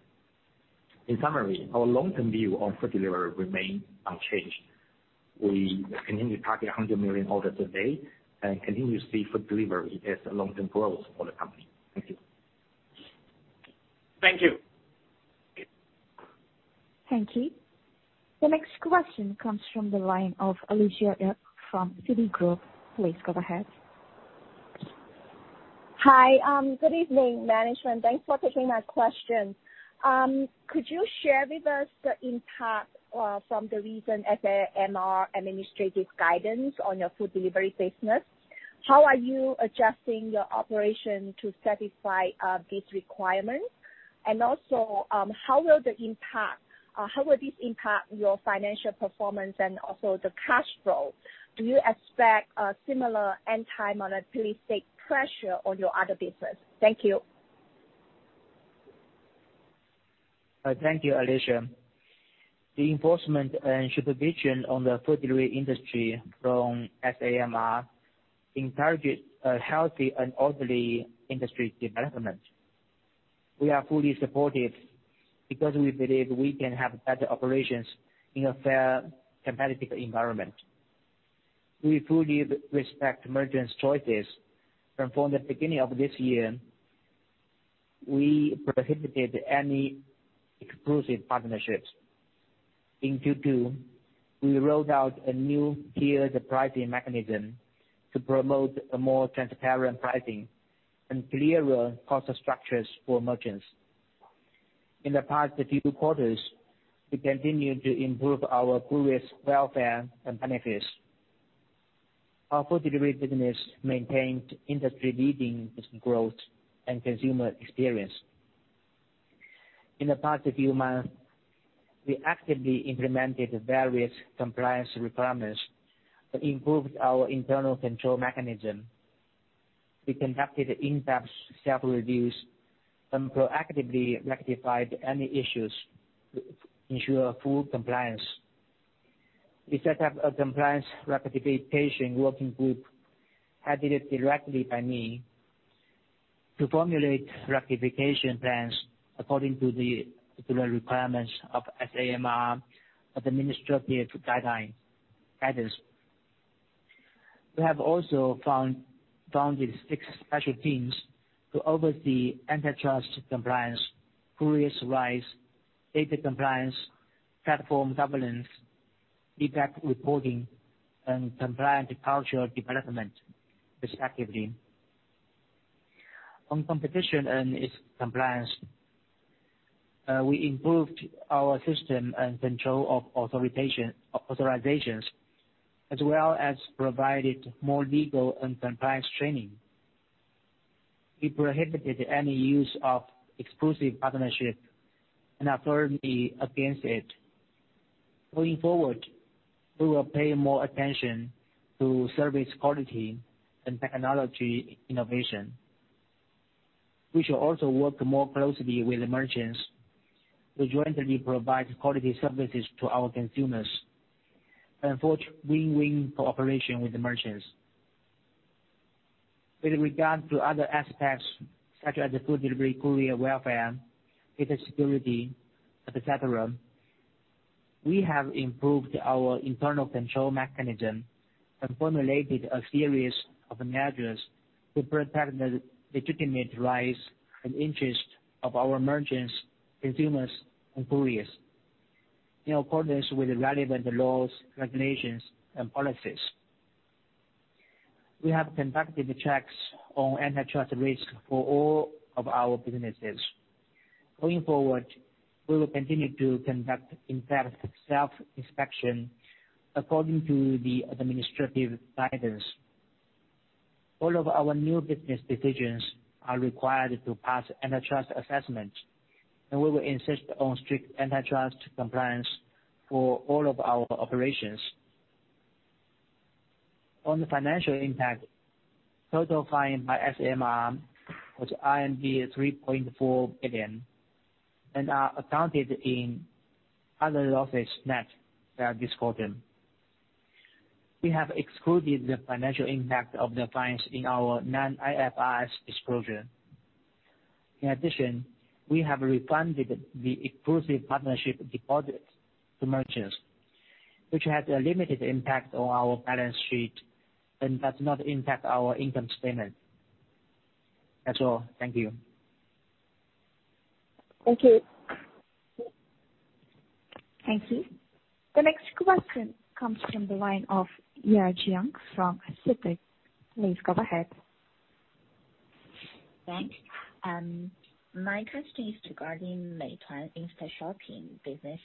In summary, our long-term view on Food Delivery remain unchanged. We continue to target 100 million orders a day and continue to see Food Delivery as a long-term growth for the company. Thank you. Thank you. Thank you. The next question comes from the line of Alicia Yap from Citigroup. Please go ahead. Hi, good evening management. Thanks for taking my question. Could you share with us the impact from the recent SAMR administrative guidance on your Food Delivery business? How are you adjusting your operation to satisfy these requirements? And also, how will this impact your financial performance and also the cash flow? Do you expect a similar antitrust state pressure on your other business? Thank you. Thank you, Alicia. The enforcement and supervision on the Food Delivery industry from SAMR encourages a healthy and orderly industry development. We are fully supportive because we believe we can have better operations in a fair competitive environment. We fully respect merchants' choices. From the beginning of this year, we prohibited any exclusive partnerships. In Q2, we rolled out a new tiered pricing mechanism to promote a more transparent pricing and clearer cost structures for merchants. In the past few quarters, we continue to improve our couriers welfare and benefits. Our Food Delivery business maintained industry-leading business growth and consumer experience. In the past few months, we actively implemented various compliance requirements that improved our internal control mechanism. We conducted in-depth self-reviews and proactively rectified any issues to ensure full compliance. We set up a compliance rectification working group headed directly by me. To formulate rectification plans according to the particular requirements of SAMR and the ministry guidelines. We have also founded six special teams to oversee antitrust compliance, couriers rights, data compliance, platform governance, effect reporting and compliant culture development effectively. On competition and its compliance, we improved our system and control of authorizations, as well as provided more legal and compliance training. We prohibited any use of exclusive partnership and are firmly against it. Going forward, we will pay more attention to service quality and technology innovation. We shall also work more closely with the merchants to jointly provide quality services to our consumers and forge win-win cooperation with the merchants. With regard to other aspects such as the Food Delivery courier welfare, data security, et cetera, we have improved our internal control mechanism and formulated a series of measures to protect the legitimate rights and interest of our merchants, consumers, and couriers in accordance with the relevant laws, regulations, and policies. We have conducted checks on antitrust risk for all of our businesses. Going forward, we will continue to conduct in-depth self-inspection according to the administrative guidance. All of our new business decisions are required to pass antitrust assessments, and we will insist on strict antitrust compliance for all of our operations. On the financial impact, total fine by SAMR was 3.4 billion and are accounted in other losses net for this quarter. We have excluded the financial impact of the fines in our non-IFRS disclosure. In addition, we have refunded the exclusive partnership deposits to merchants, which has a limited impact on our balance sheet and does not impact our income statement. That's all. Thank you. Thank you. Thank you. The next question comes from the line of Ya Jiang from CITIC. Please go ahead. Thanks. My question is regarding Meituan Instashopping business.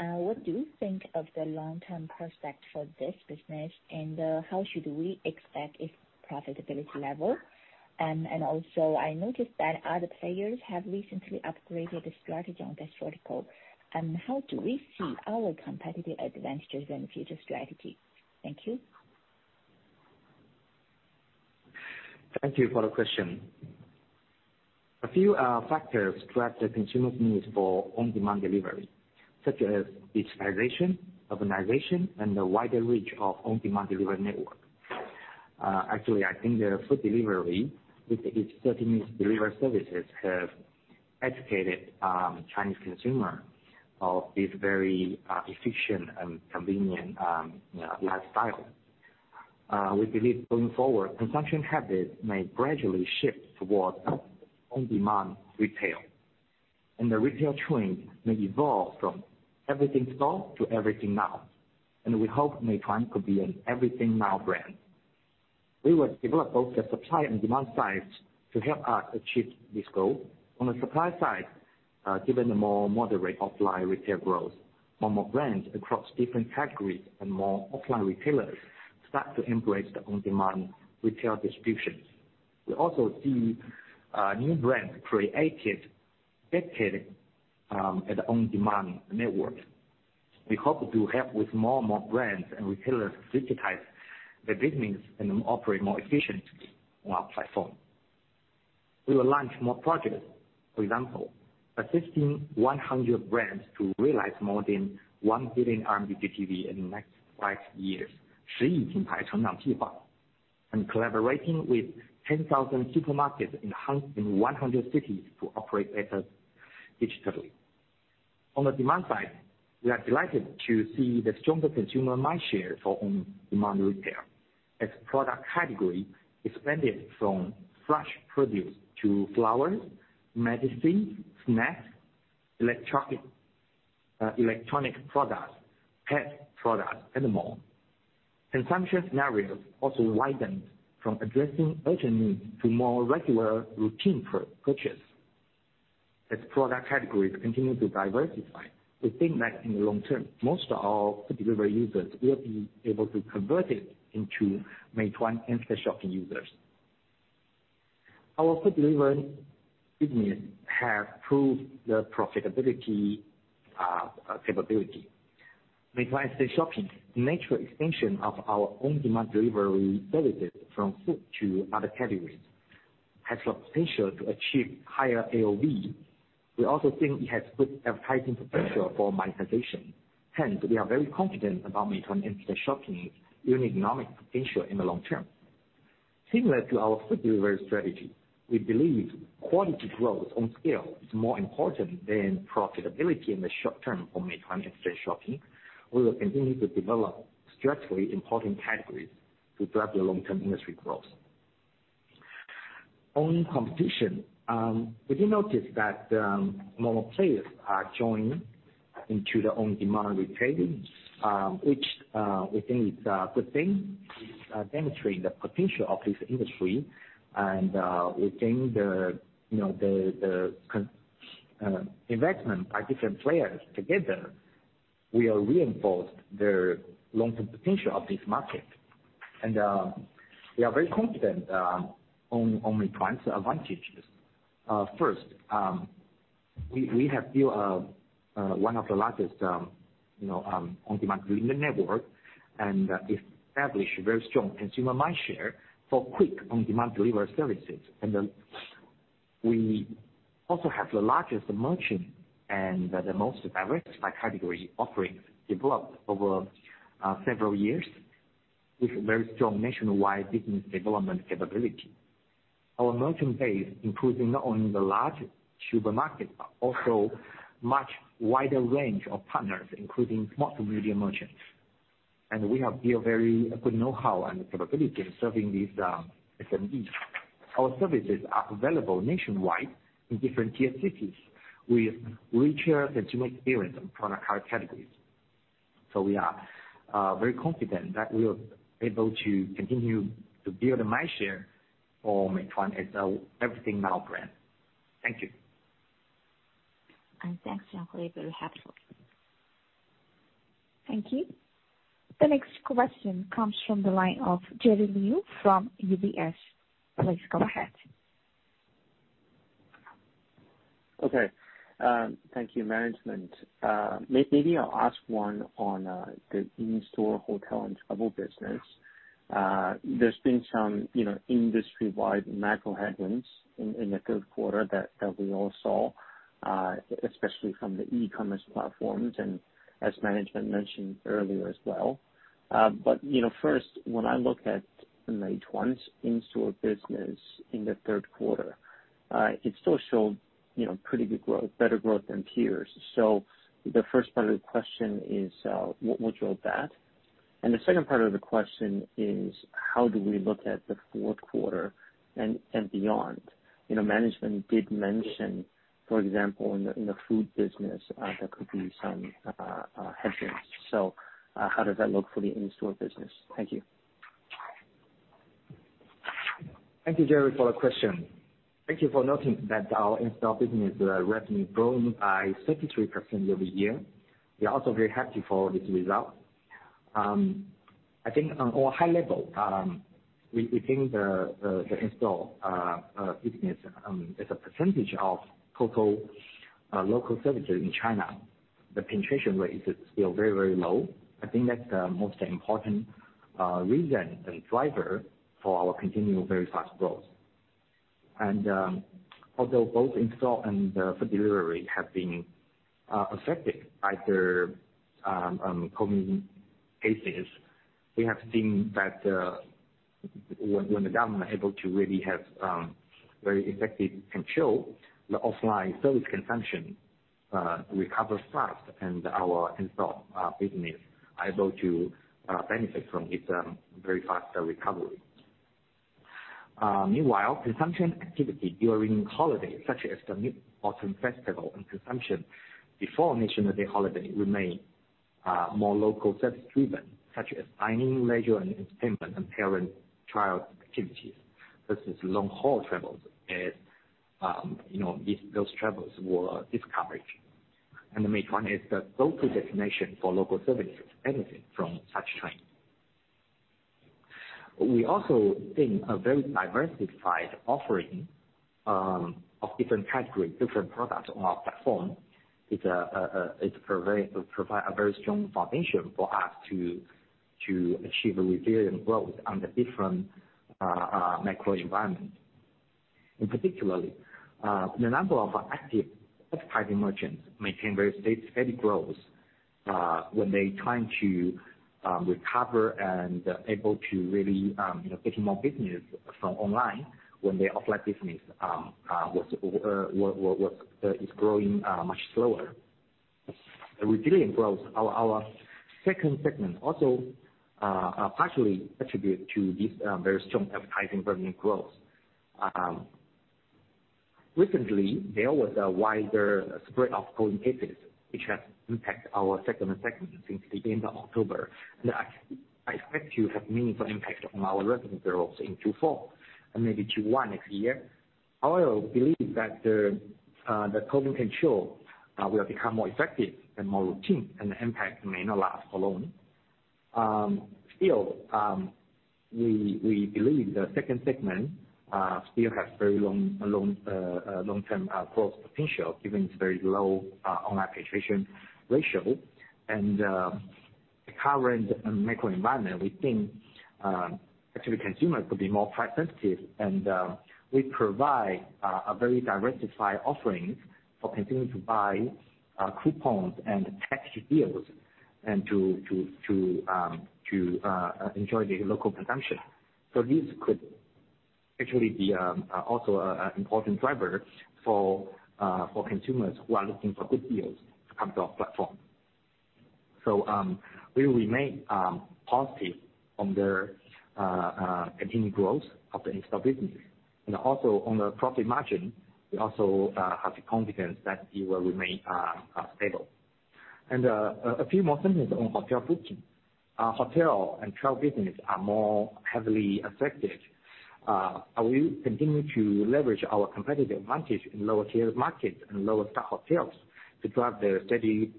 What do you think of the long-term prospect for this business and how should we expect its profitability level? Also I noticed that other players have recently upgraded the strategy on this vertical. How do we see our competitive advantages and future strategy? Thank you. Thank you for the question. A few factors drive the consumers' needs for on-demand delivery, such as digitization, urbanization, and the wider reach of on-demand delivery network. Actually, I think the Food Delivery with its 30-minute delivery services have educated Chinese consumer of this very efficient and convenient lifestyle. We believe going forward, consumption habits may gradually shift towards on-demand retail. The retail trend may evolve from everything store to everything now. We hope Meituan could be an everything now brand. We will develop both the supply and demand sides to help us achieve this goal. On the supply side, given the more moderate offline retail growth, more and more brands across different categories and more offline retailers start to embrace the on-demand retail distributions. We also see new brands created, vetted at the on-demand network. We hope to help with more and more brands and retailers digitize their business and operate more efficiently on our platform. We will launch more projects, for example, assisting 100 brands to realize more than 1 billion RMB GTV in the next five years. Collaborating with 10,000 supermarkets in 100 cities to operate digitally. On the demand side, we are delighted to see the stronger consumer mindshare for on-demand retail. As product category expanded from fresh produce to flowers, medicine, snacks, electric, electronic products, pet products, and more. Consumption scenarios also widened from addressing urgent needs to more regular routine purchase. As product categories continue to diversify, we think that in the long term, most of our Food Delivery users will be able to converted into Meituan Instashopping users. Our Food Delivery business have proved the profitability capability. Meituan Instashopping, natural extension of our on-demand delivery services from food to other categories, has the potential to achieve higher AOV. We also think it has good advertising potential for monetization. Hence, we are very confident about Meituan Instashopping's unique economic potential in the long term. Similar to our Food Delivery strategy, we believe quality growth on scale is more important than profitability in the short term for Meituan Instashopping. We will continue to develop structurally important categories to drive the long-term industry growth. On competition, we do notice that more players are joining into the on-demand retailing, which we think is a good thing. It's demonstrating the potential of this industry. We think the, you know, investment by different players together will reinforce their long-term potential of this market. We are very confident on Meituan's advantages. First, we have built one of the largest, you know, on-demand delivery network and established very strong consumer mind share for quick on-demand delivery services. We also have the largest merchant and the most diverse by category offerings developed over several years with very strong nationwide business development capability. Our merchant base includes not only the large supermarket, but also much wider range of partners, including small to medium merchants. We have built very good know-how and capability in serving these SMEs. Our services are available nationwide in different tier cities with richer consumer experience and product categories. We are very confident that we are able to continue to build the mind share for Meituan as a everything now brand. Thank you. Thanks, Shaohui, very helpful. Thank you. The next question comes from the line of Jerry Liu from UBS. Please go ahead. Okay. Thank you, management. Maybe I'll ask one on the In-store, Hotel and Travel business. There's been some, you know, industry-wide macro headwinds in the Q3 that we all saw, especially from the e-commerce platforms, and as management mentioned earlier as well. You know, first, when I look at Meituan's In-store business in the Q3, it still showed, you know, pretty good growth, better growth than peers. The first part of the question is, what drove that? The second part of the question is, how do we look at the Q4 and beyond? You know, management did mention, for example, in the food business, there could be some headwinds. How does that look for the In-store business? Thank you. Thank you, Jerry, for the question. Thank you for noting that our In-store business revenue grown by 33% year-over-year. We are also very happy for this result. I think on a high level, we think the In-store business, as a percentage of total local services in China, the penetration rate is still very, very low. I think that's the most important reason and driver for our continued very fast growth. Although both In-store and Food Delivery have been affected by the COVID cases, we have seen that, when the government able to really have very effective control, the offline service consumption recover fast and our In-store business able to benefit from this very fast recovery. Meanwhile, consumption activity during holiday, such as the Mid-Autumn Festival and consumption before National Day holiday remains more local service driven, such as dining, leisure and entertainment and parent-child activities versus long-haul travels as, you know, those travels were discouraged. Meituan is the go-to destination for local services benefiting from such trend. We also think a very diversified offering of different categories, different products on our platform provides a very strong foundation for us to achieve a resilient growth under different macro environment. In particular, the number of active advertising merchants maintains very steady growth when they're trying to recover and able to really, you know, get more business from online when their offline business was growing much slower. The resilient growth of our second segment also is partially attributed to this very strong advertising revenue growth. Recently, there was a wider spread of COVID cases, which has impacted our second segment since the end of October, and I expect it to have meaningful impact on our revenue growth in Q4 and maybe Q1 next year. However, I believe that the COVID control will become more effective and more routine, and the impact may not last for long. Still, we believe the second segment still has long-term growth potential given its very low online penetration ratio. The current macro environment, we think actually consumers could be more price sensitive and we provide a very diversified offerings for consumers to buy coupons and taxi deals and to enjoy their local consumption. This could actually be also an important driver for consumers who are looking for good deals to come to our platform. We remain positive on the continued growth of the In-store business. Also on the profit margin, we also have the confidence that it will remain stable. A few more sentences on Hotel booking. Our Hotel and Travel business are more heavily affected. We continue to leverage our competitive advantage in lower tier markets and lower star hotels to drive the steady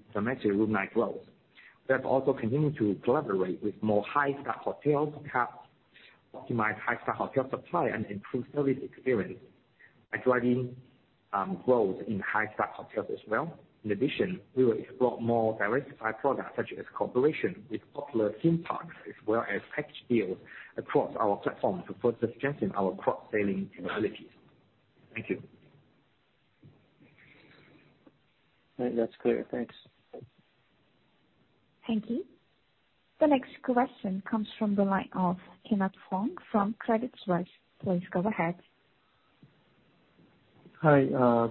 room night growth. We have also continued to collaborate with more high-star hotels to help optimize high-star hotel supply and improve service experience by driving growth in high-star hotels as well. In addition, we will explore more diversified products such as cooperation with popular theme parks as well as package deals across our platform to further strengthen our cross-selling capabilities. Thank you. That's clear. Thanks. Thank you. The next question comes from the line of Kenneth Fong from Credit Suisse. Please go ahead. Hi.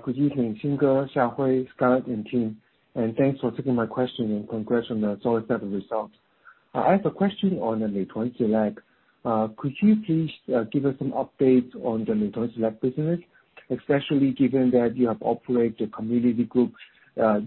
Good evening, Xing, Shaohui, Scarlett, and team, and thanks for taking my question. Congrats on the solid set of results. I have a question on the Meituan Select. Could you please give us some updates on the Meituan Select business, especially given that you have operated the community group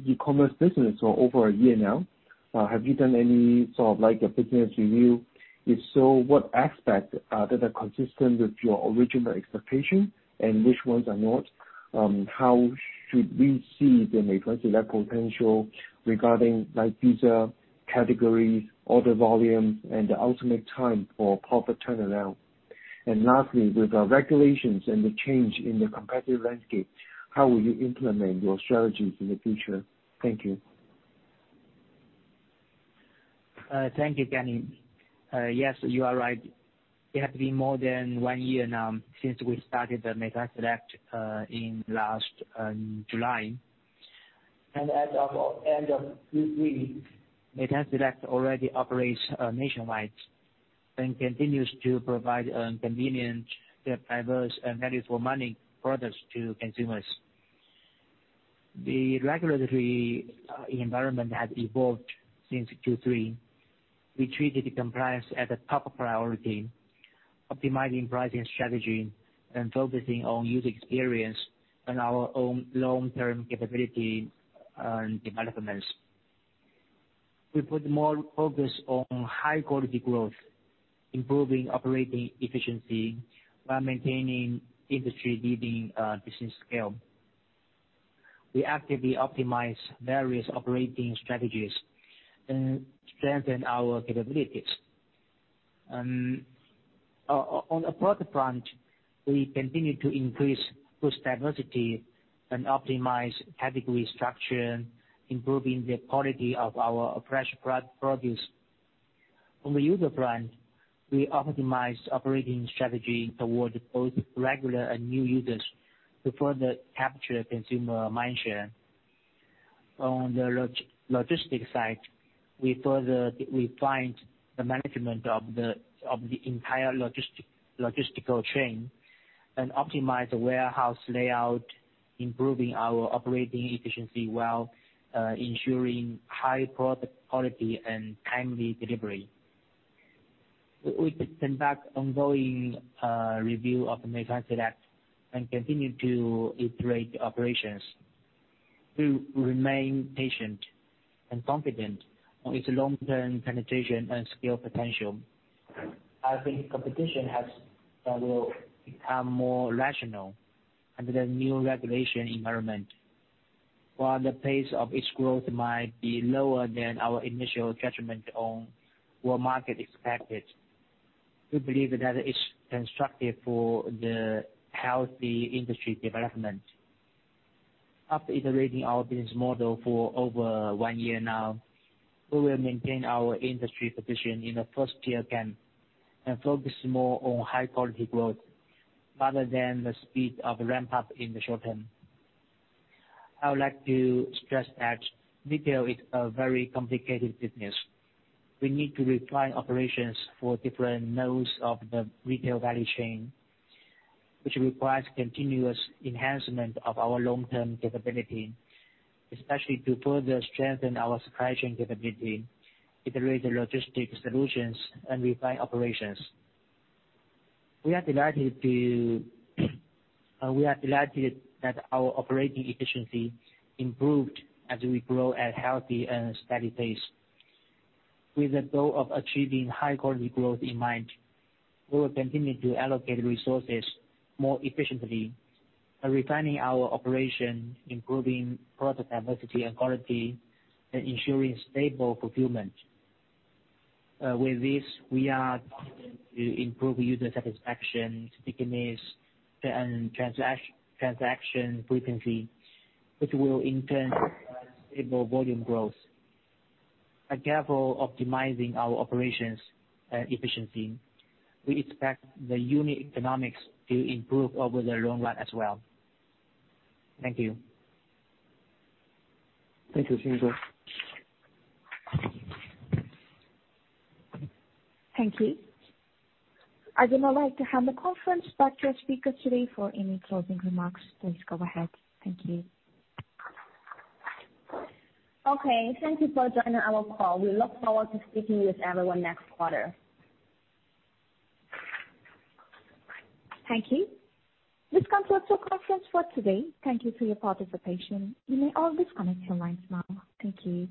e-commerce business for over a year now. Have you done any sort of like a business review? If so, what aspects that are consistent with your original expectation, and which ones are not? How should we see the Meituan Select potential regarding like various categories, order volume, and the ultimate time for profit turnaround? Lastly, with the regulations and the change in the competitive landscape, how will you implement your strategies in the future? Thank you. Thank you, Kenny. Yes, you are right. It has been more than one year now since we started the Meituan Select in last July. As of end of Q3, Meituan Select already operates nationwide and continues to provide convenient, diverse and value-for-money products to consumers. The regulatory environment has evolved since Q3. We treated the compliance as a top priority, optimizing pricing strategy and focusing on user experience and our own long-term capability and developments. We put more focus on high quality growth, improving operating efficiency while maintaining industry-leading business scale. We actively optimize various operating strategies and strengthen our capabilities. On a product front, we continue to increase host diversity and optimize category structure, improving the quality of our fresh produce. On the user front, we optimize operating strategy toward both regular and new users to further capture consumer mindshare. On the logistics side, we further refined the management of the entire logistics chain and optimize the warehouse layout, improving our operating efficiency while ensuring high product quality and timely delivery. We conduct ongoing review of the Meituan Select and continue to iterate the operations to remain patient and confident on its long-term penetration and scale potential. I think competition will become more rational under the new regulation environment. While the pace of its growth might be lower than our initial judgment on what the market expected, we believe that it's constructive for the healthy industry development. After iterating our business model for over one year now, we will maintain our industry position in the first tier camp and focus more on high quality growth rather than the speed of ramp up in the short term. I would like to stress that retail is a very complicated business. We need to refine operations for different nodes of the retail value chain, which requires continuous enhancement of our long-term capability, especially to further strengthen our supply chain capability, iterate the logistics solutions, and refine operations. We are delighted that our operating efficiency improved as we grow at healthy and steady pace. With the goal of achieving high quality growth in mind, we will continue to allocate resources more efficiently by refining our operation, improving product diversity and quality, and ensuring stable fulfillment. With this, we are confident to improve user satisfaction, stickiness, and transaction frequency, which will in turn stabilize volume growth. By carefully optimizing our operations and efficiency, we expect the unit economics to improve over the long run as well. Thank you. Thank you, Xing Wang. Thank you. I would now like to hand the conference back to our speakers today for any closing remarks. Please go ahead. Thank you. Okay, thank you for joining our call. We look forward to speaking with everyone next quarter. Thank you. This concludes your conference for today. Thank you for your participation. You may all disconnect your lines now. Thank you.